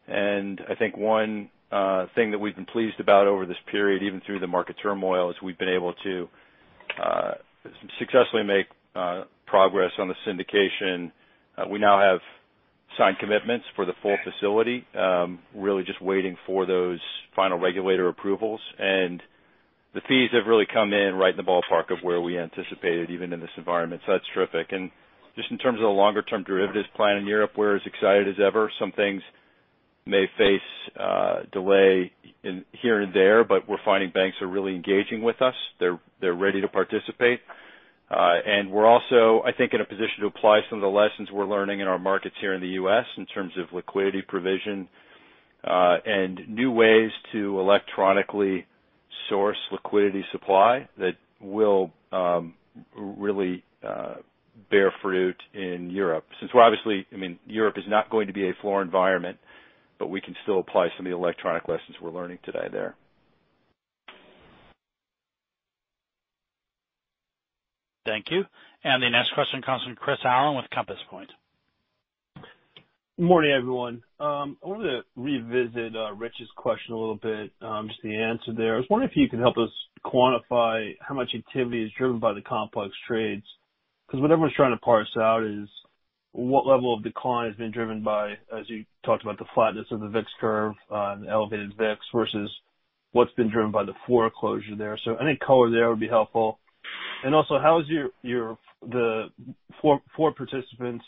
I think one thing that we've been pleased about over this period, even through the market turmoil, is we've been able to successfully make progress on the syndication. We now have signed commitments for the full facility, really just waiting for those final regulator approvals. The fees have really come in right in the ballpark of where we anticipated, even in this environment. That's terrific. Just in terms of the longer-term derivatives plan in Europe, we're as excited as ever. Some things may face a delay here and there, we're finding banks are really engaging with us. They're ready to participate. We're also, I think, in a position to apply some of the lessons we're learning in our markets here in the U.S. in terms of liquidity provision, and new ways to electronically source liquidity supply that will really bear fruit in Europe. Since we're obviously Europe is not going to be a floor environment, we can still apply some of the electronic lessons we're learning today there. Thank you. The next question comes from Chris Allen with Compass Point. Morning, everyone. I wanted to revisit Rich's question a little bit, just the answer there. I was wondering if you could help us quantify how much activity is driven by the complex trades, because what everyone's trying to parse out is what level of decline has been driven by, as you talked about, the flatness of the VIX curve on elevated VIX versus what's been driven by the floor closure there. Any color there would be helpful. Also, how is the floor participants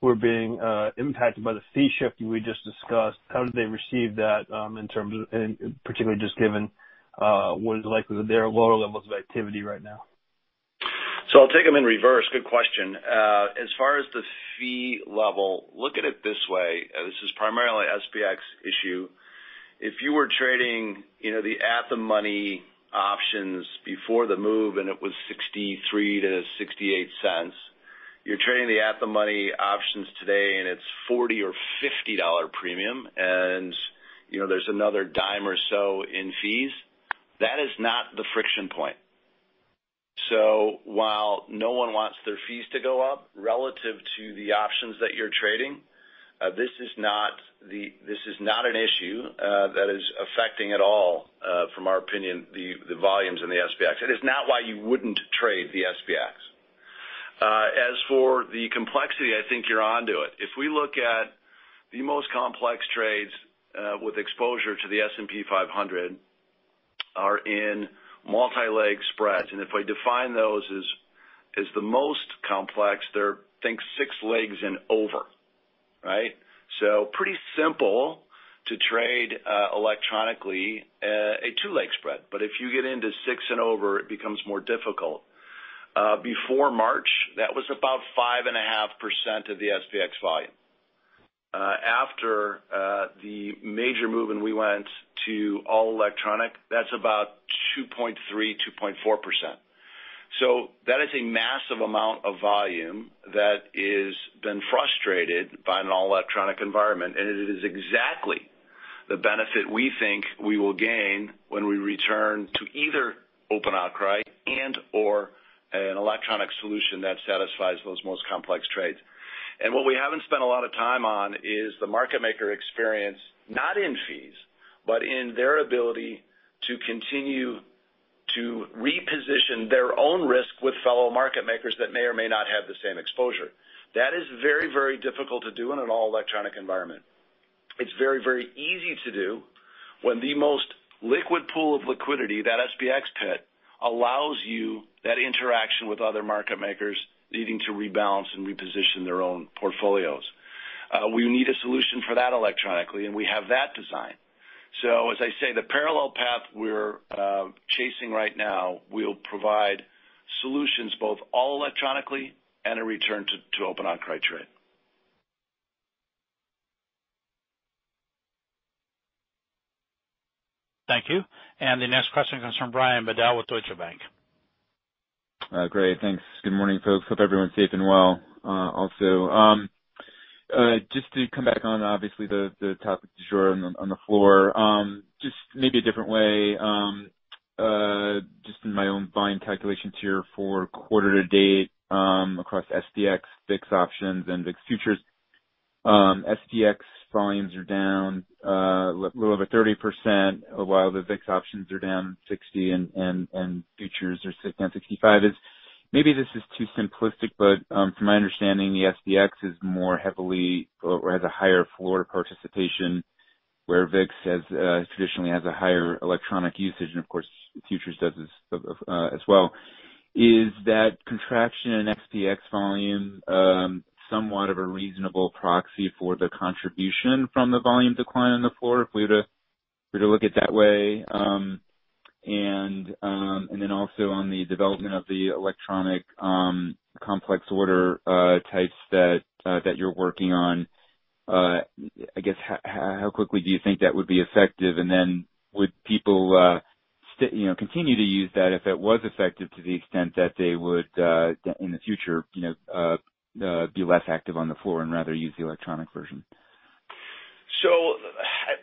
who are being impacted by the fee shift that we just discussed, how did they receive that in terms of, and particularly just given what is likely their lower levels of activity right now? I'll take them in reverse. Good question. As far as the fee level, look at it this way. This is primarily SPX issue. If you were trading the at-the-money options before the move and it was $0.63-$0.68, you're trading the at-the-money options today and it's $40 or $50 premium, and there's another $0.10 or so in fees. That is not the friction point. While no one wants their fees to go up relative to the options that you're trading, this is not an issue that is affecting at all, from our opinion, the volumes in the SPX. It is not why you wouldn't trade the SPX. As for the complexity, I think you're onto it. If we look at the most complex trades with exposure to the S&P 500 are in multi-leg spreads, and if we define those as the most complex, think 6 legs and over. Pretty simple to trade electronically a two legs spread. If you get into six and over, it becomes more difficult. Before March, that was about 5.5% of the SPX volume. After the major move and we went to all electronic, that's about 2.3%, 2.4%. That is a massive amount of volume that has been frustrated by an all-electronic environment, and it is exactly the benefit we think we will gain when we return to either open outcry and/or an electronic solution that satisfies those most complex trades. What we haven't spent a lot of time on is the market maker experience, not in fees, but in their ability to continue to reposition their own risk with fellow market makers that may or may not have the same exposure. That is very, very difficult to do in an all-electronic environment. It's very, very easy to do when the most liquid pool of liquidity, that SPX pit, allows you that interaction with other market makers needing to rebalance and reposition their own portfolios. We need a solution for that electronically, and we have that design. As I say, the parallel path we're chasing right now will provide solutions both all electronically and a return to open outcry trade. Thank you. The next question comes from Brian Bedell with Deutsche Bank. Great. Thanks. Good morning, folks. Hope everyone's safe and well also. Just to come back on, obviously, the topic du jour on the floor. Just maybe a different way, just in my own volume calculations here for quarter to date, across SPX, VIX options, and VIX futures. SPX volumes are down a little over 30%, while the VIX options are down 60% and futures are down 65%. Maybe this is too simplistic, but from my understanding, the SPX is more heavily or has a higher floor participation, where VIX traditionally has a higher electronic usage, and of course, futures does as well. Is that contraction in SPX volume somewhat of a reasonable proxy for the contribution from the volume decline on the floor if we were to look at it that way? Also on the development of the electronic complex order types that you're working on, I guess, how quickly do you think that would be effective? Would people continue to use that if it was effective to the extent that they would, in the future, be less active on the floor and rather use the electronic version?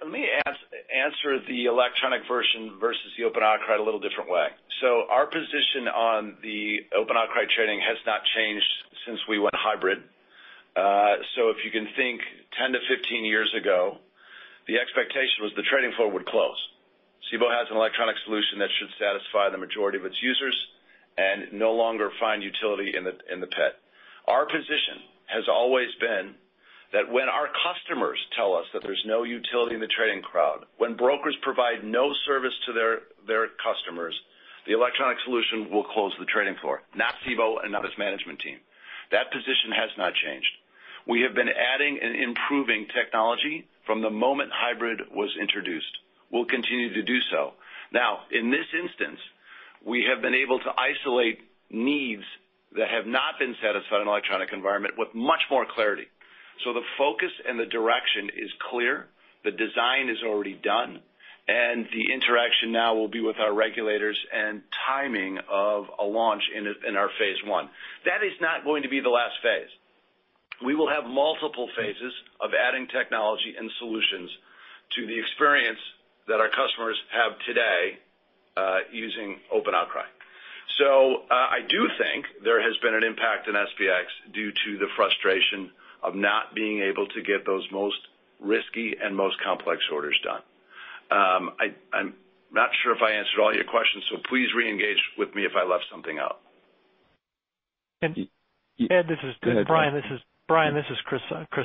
Let me answer the electronic version versus the open outcry a little different way. Our position on the open outcry trading has not changed since we went hybrid. If you can think 10-15 years ago, the expectation was the trading floor would close. Cboe has an electronic solution that should satisfy the majority of its users and no longer find utility in the pit. Our position has always been that when our customers tell us that there's no utility in the trading crowd, when brokers provide no service to their customers, the electronic solution will close the trading floor, not Cboe and not its management team. That position has not changed. We have been adding and improving technology from the moment hybrid was introduced. We'll continue to do so. In this instance, we have been able to isolate needs that have not been satisfied in electronic environment with much more clarity. The focus and the direction is clear, the design is already done, and the interaction now will be with our regulators and timing of a launch in our phase I. That is not going to be the last phase. We will have multiple phases of adding technology and solutions to the experience that our customers have today, using open outcry. I do think there has been an impact in SPX due to the frustration of not being able to get those most risky and most complex orders done. I'm not sure if I answered all your questions, so please re-engage with me if I left something out. Ed, this is Chris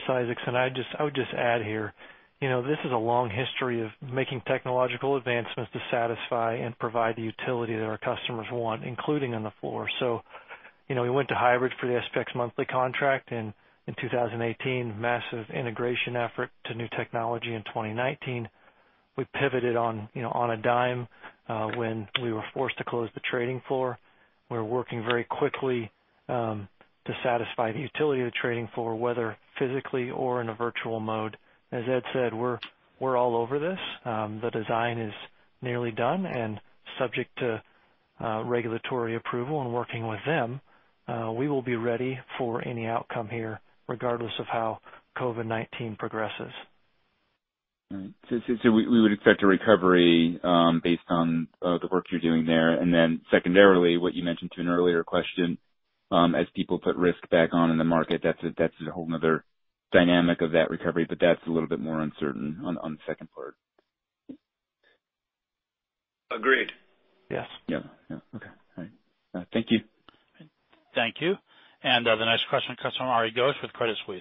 Isaacson. I would just add here, this is a long history of making technological advancements to satisfy and provide the utility that our customers want, including on the floor. We went to hybrid for the SPX monthly contract in 2018, massive integration effort to new technology in 2019. We pivoted on a dime, when we were forced to close the trading floor. We're working very quickly to satisfy the utility of the trading floor, whether physically or in a virtual mode. As Ed said, we're all over this. The design is nearly done, subject to regulatory approval and working with them, we will be ready for any outcome here regardless of how COVID-19 progresses. We would expect a recovery based on the work you're doing there. Secondarily, what you mentioned to an earlier question, as people put risk back on in the market, that's a whole other dynamic of that recovery, but that's a little bit more uncertain on the second part. Agreed. Yes. Yep. Okay. All right. Thank you. Thank you. The next question comes from Ari Ghosh with Credit Suisse.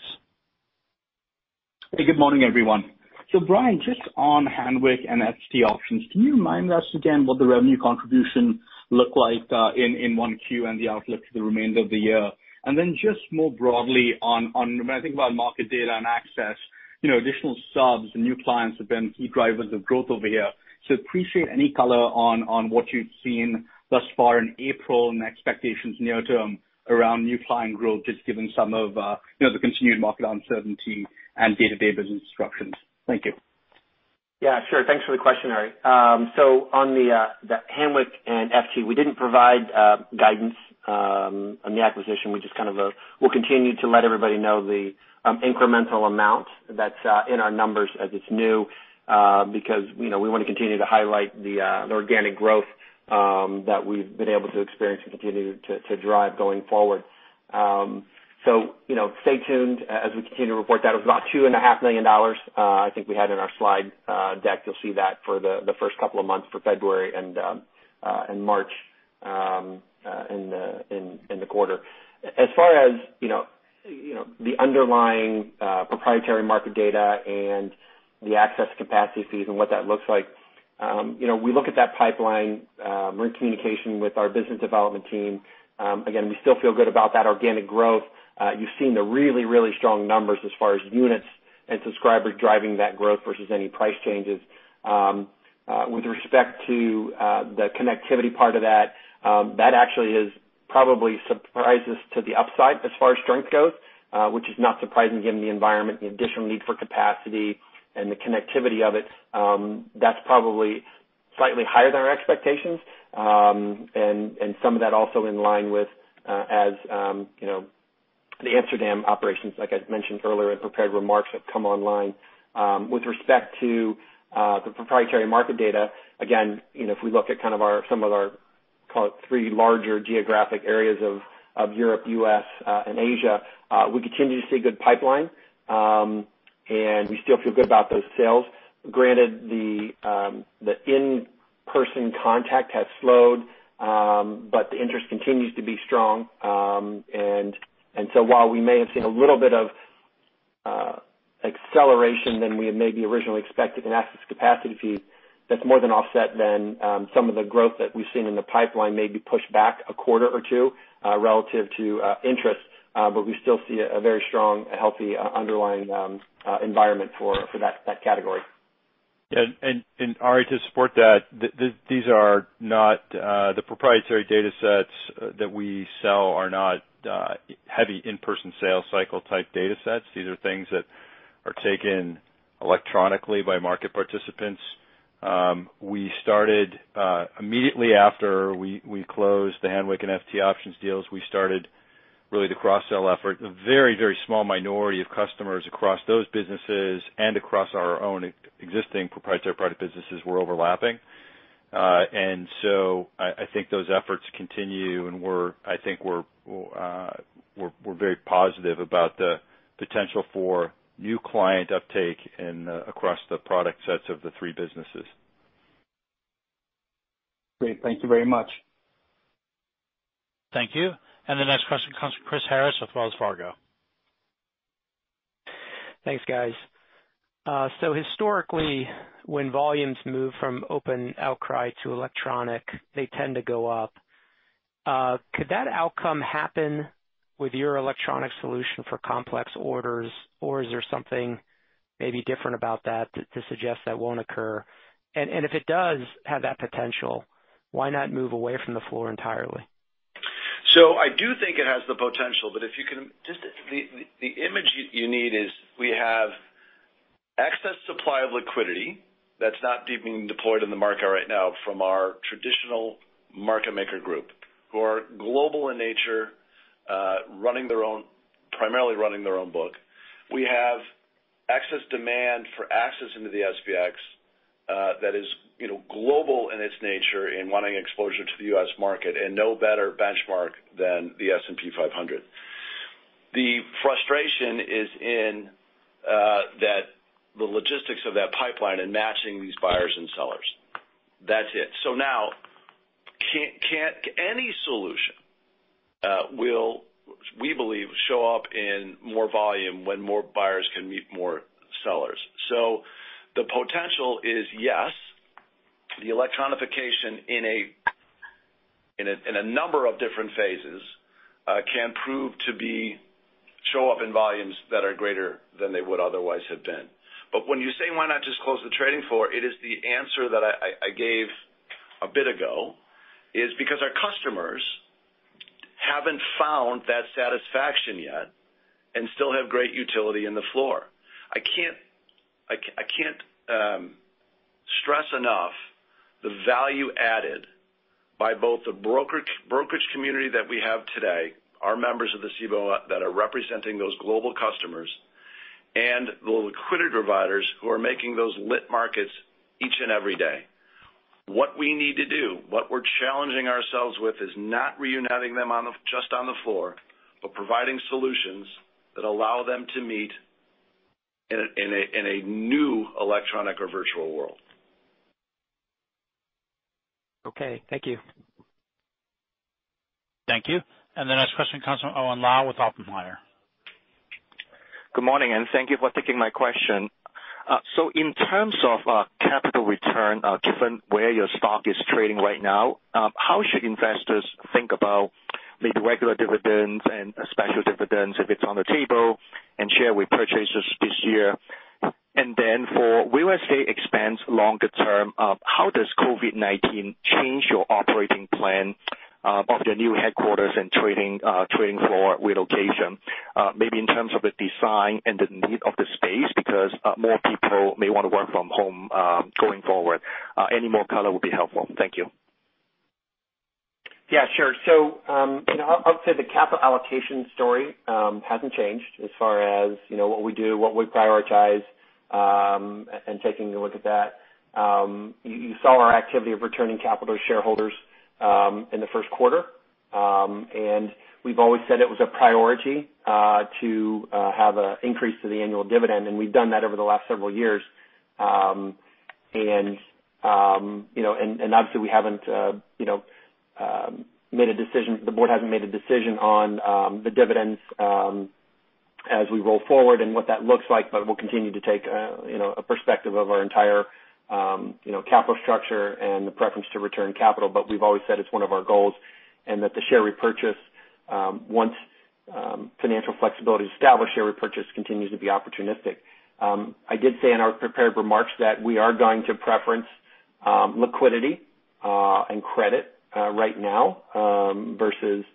Hey, good morning, everyone. Brian, just on Hanweck and FT Options, can you remind us again what the revenue contribution look like, in one Q and the outlook for the remainder of the year? Just more broadly on, when I think about market data and access, additional subs and new clients have been key drivers of growth over here. Appreciate any color on what you've seen thus far in April and expectations near term around new client growth, just given some of the continued market uncertainty and day-to-day business disruptions. Thank you. Yeah, sure. Thanks for the question, Ari. On the Hanweck and FT, we didn't provide guidance on the acquisition. We'll continue to let everybody know the incremental amount that's in our numbers as it's new, because we want to continue to highlight the organic growth that we've been able to experience and continue to drive going forward. Stay tuned as we continue to report that. It was about $2.5 million. I think we had in our slide deck, you'll see that for the first couple of months for February and March in the quarter. As far as the underlying proprietary market data and the access capacity fees and what that looks like, we look at that pipeline, we're in communication with our business development team. Again, we still feel good about that organic growth. You've seen the really, really strong numbers as far as units and subscribers driving that growth versus any price changes. With respect to the connectivity part of that actually is probably surprises to the upside as far as strength goes, which is not surprising given the environment, the additional need for capacity and the connectivity of it. That's probably slightly higher than our expectations. Some of that also in line with, as the Amsterdam operations, like I'd mentioned earlier in prepared remarks, have come online. With respect to the proprietary market data, again, if we look at some of our, call it three larger geographic areas of Europe, U.S., and Asia, we continue to see good pipeline. We still feel good about those sales. Granted, the in-person contact has slowed, but the interest continues to be strong. While we may have seen a little bit of acceleration than we had maybe originally expected in access capacity fees, that's more than offset than some of the growth that we've seen in the pipeline maybe pushed back a quarter or two, relative to interest. We still see a very strong, healthy underlying environment for that category. Ari, to support that, the proprietary data sets that we sell are not heavy in-person sales cycle type data sets. These are things that are taken electronically by market participants. Immediately after we closed the Hanweck and FT Options deals, we started really the cross-sell effort. A very small minority of customers across those businesses and across our own existing proprietary product businesses were overlapping. I think those efforts continue, and I think we're very positive about the potential for new client uptake across the product sets of the three businesses. Great. Thank you very much. Thank you. The next question comes from Chris Harris with Wells Fargo. Thanks, guys. Historically, when volumes move from open outcry to electronic, they tend to go up. Could that outcome happen with your electronic solution for complex orders, or is there something maybe different about that to suggest that won't occur? And if it does have that potential, why not move away from the floor entirely? I do think it has the potential, but the image you need is we have excess supply of liquidity that's not being deployed in the market right now from our traditional market maker group, who are global in nature, primarily running their own book. We have excess demand for access into the SPX that is global in its nature in wanting exposure to the U.S. market, and no better benchmark than the S&P 500. The frustration is in the logistics of that pipeline and matching these buyers and sellers. That's it. Now, any solution will, we believe, show up in more volume when more buyers can meet more sellers. The potential is yes. The electronification in a number of different phases can show up in volumes that are greater than they would otherwise have been. When you say why not just close the trading floor, it is the answer that I gave a bit ago, is because our customers haven't found that satisfaction yet and still have great utility in the floor. I can't stress enough the value added by both the brokerage community that we have today, our members of the Cboe that are representing those global customers, and the liquidity providers who are making those lit markets each and every day. What we need to do, what we're challenging ourselves with, is not reuniting them just on the floor, but providing solutions that allow them to meet in a new electronic or virtual world. Okay. Thank you. Thank you. The next question comes from Owen Lau with Oppenheimer. Good morning. Thank you for taking my question. In terms of capital return, given where your stock is trading right now, how should investors think about maybe regular dividends and special dividends if it's on the table and share repurchases this year? For real estate expense longer term, how does COVID-19 change your operating plan of the new headquarters and trading floor relocation, maybe in terms of the design and the need of the space because more people may want to work from home going forward? Any more color would be helpful. Thank you. Yeah, sure. I'll say the capital allocation story hasn't changed as far as what we do, what we prioritize, and taking a look at that. You saw our activity of returning capital to shareholders in the first quarter. We've always said it was a priority to have an increase to the annual dividend, and we've done that over the last several years. Obviously the board hasn't made a decision on the dividends as we roll forward and what that looks like, but we'll continue to take a perspective of our entire capital structure and the preference to return capital. We've always said it's one of our goals, and that once financial flexibility is established, share repurchase continues to be opportunistic. I did say in our prepared remarks that we are going to preference liquidity and credit right now versus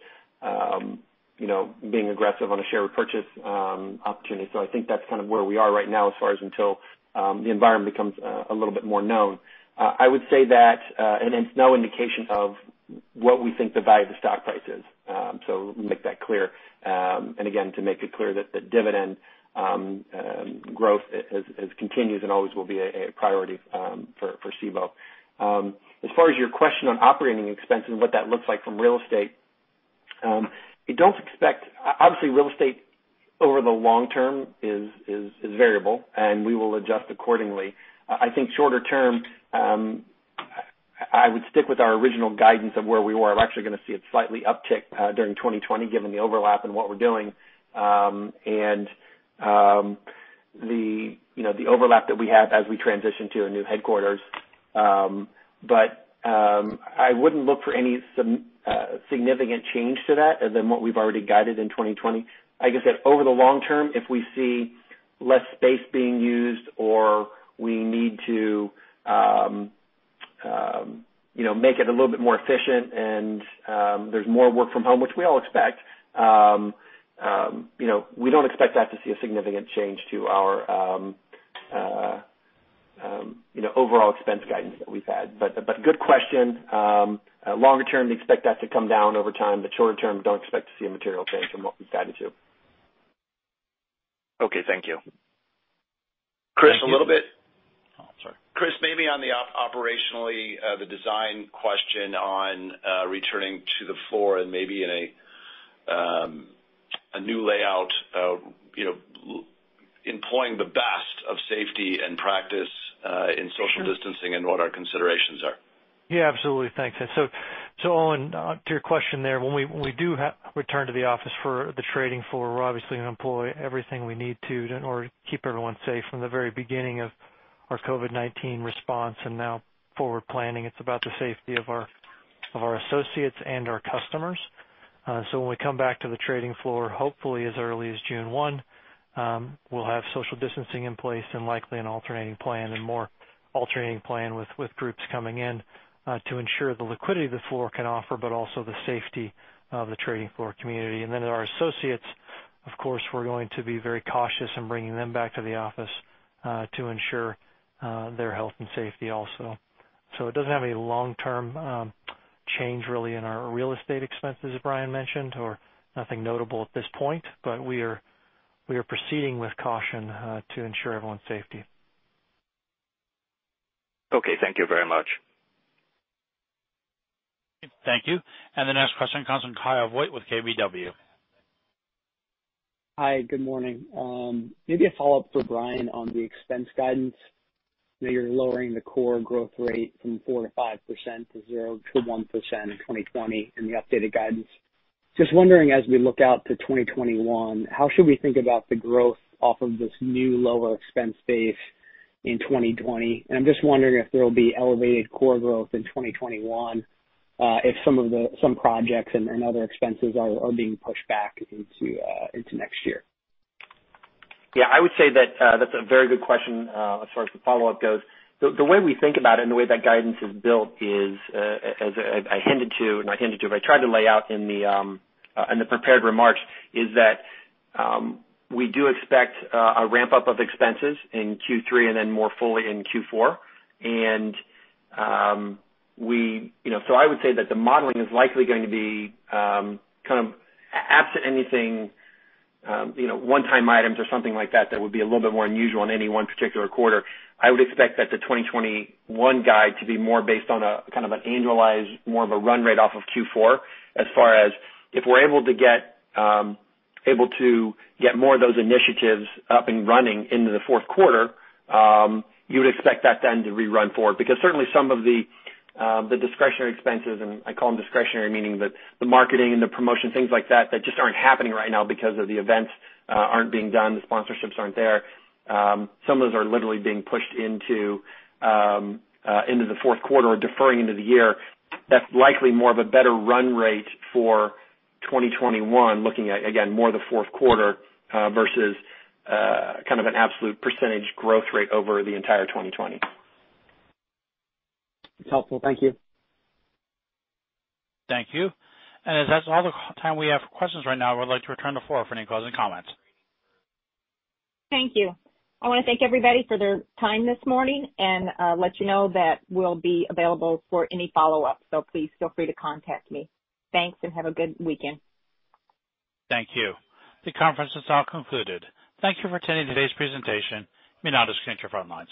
being aggressive on a share repurchase opportunity. I think that's kind of where we are right now as far as until the environment becomes a little bit more known. I would say that it's no indication of what we think the value of the stock price is. Let me make that clear. Again, to make it clear that the dividend growth continues and always will be a priority for Cboe. As far as your question on operating expenses and what that looks like from real estate. Obviously, real estate over the long term is variable, and we will adjust accordingly. I think shorter term, I would stick with our original guidance of where we were. I'm actually going to see a slight uptick during 2020, given the overlap in what we're doing, and the overlap that we have as we transition to a new headquarters. I wouldn't look for any significant change to that other than what we've already guided in 2020. Like I said, over the long term, if we see less space being used or we need to make it a little bit more efficient and there's more work from home, which we all expect, we don't expect that to see a significant change to our overall expense guidance that we've had. Good question. Longer term, we expect that to come down over time. Shorter term, don't expect to see a material change from what we've guided to. Okay, thank you. Chris, a little bit. Oh, sorry. Chris, maybe on the operationally, the design question on returning to the floor and maybe in a new layout, employing the best of safety and practice in social distancing what our considerations are. Yeah, absolutely. Thanks. Owen, to your question there, when we do return to the office for the trading floor, we're obviously going to employ everything we need to in order to keep everyone safe. From the very beginning of our COVID-19 response and now forward planning, it's about the safety of our associates and our customers. When we come back to the trading floor, hopefully as early as June 1, we'll have social distancing in place and likely more alternating plan with groups coming in to ensure the liquidity the floor can offer, but also the safety of the trading floor community. Our associates, of course, we're going to be very cautious in bringing them back to the office, to ensure their health and safety also. It doesn't have any long-term change, really, in our real estate expenses, as Brian mentioned, or nothing notable at this point. We are proceeding with caution to ensure everyone's safety. Okay. Thank you very much. Thank you. The next question comes from Kyle Voigt with KBW. Hi, good morning. Maybe a follow-up for Brian on the expense guidance. You're lowering the core growth rate from 4%-5% to 0%-1% in 2020 in the updated guidance. Just wondering, as we look out to 2021, how should we think about the growth off of this new lower expense base in 2020? I'm just wondering if there'll be elevated core growth in 2021, if some projects and other expenses are being pushed back into next year. Yeah, I would say that's a very good question as far as the follow-up goes. The way we think about it and the way that guidance is built is, as I hinted to, not hinted to, but I tried to lay out in the prepared remarks, is that we do expect a ramp-up of expenses in Q3 and then more fully in Q4. I would say that the modeling is likely going to be kind of absent anything, one-time items or something like that that would be a little bit more unusual in any one particular quarter. I would expect that the 2021 guide to be more based on a kind of an annualized, more of a run rate off of Q4, as far as if we're able to get more of those initiatives up and running into the fourth quarter, you would expect that then to rerun forward. Certainly some of the discretionary expenses, and I call them discretionary, meaning the marketing and the promotion, things like that just aren't happening right now because of the events aren't being done, the sponsorships aren't there. Some of those are literally being pushed into the fourth quarter or deferring into the year. That's likely more of a better run rate for 2021, looking at, again, more the fourth quarter, versus kind of an absolute % growth rate over the entire 2020. It's helpful. Thank you. Thank you. As that's all the time we have for questions right now, I would like to return to floor for any closing comments. Thank you. I want to thank everybody for their time this morning and let you know that we'll be available for any follow-up. Please feel free to contact me. Thanks. Have a good weekend. Thank you. The conference is now concluded. Thank you for attending today's presentation. You may now disconnect your phone lines.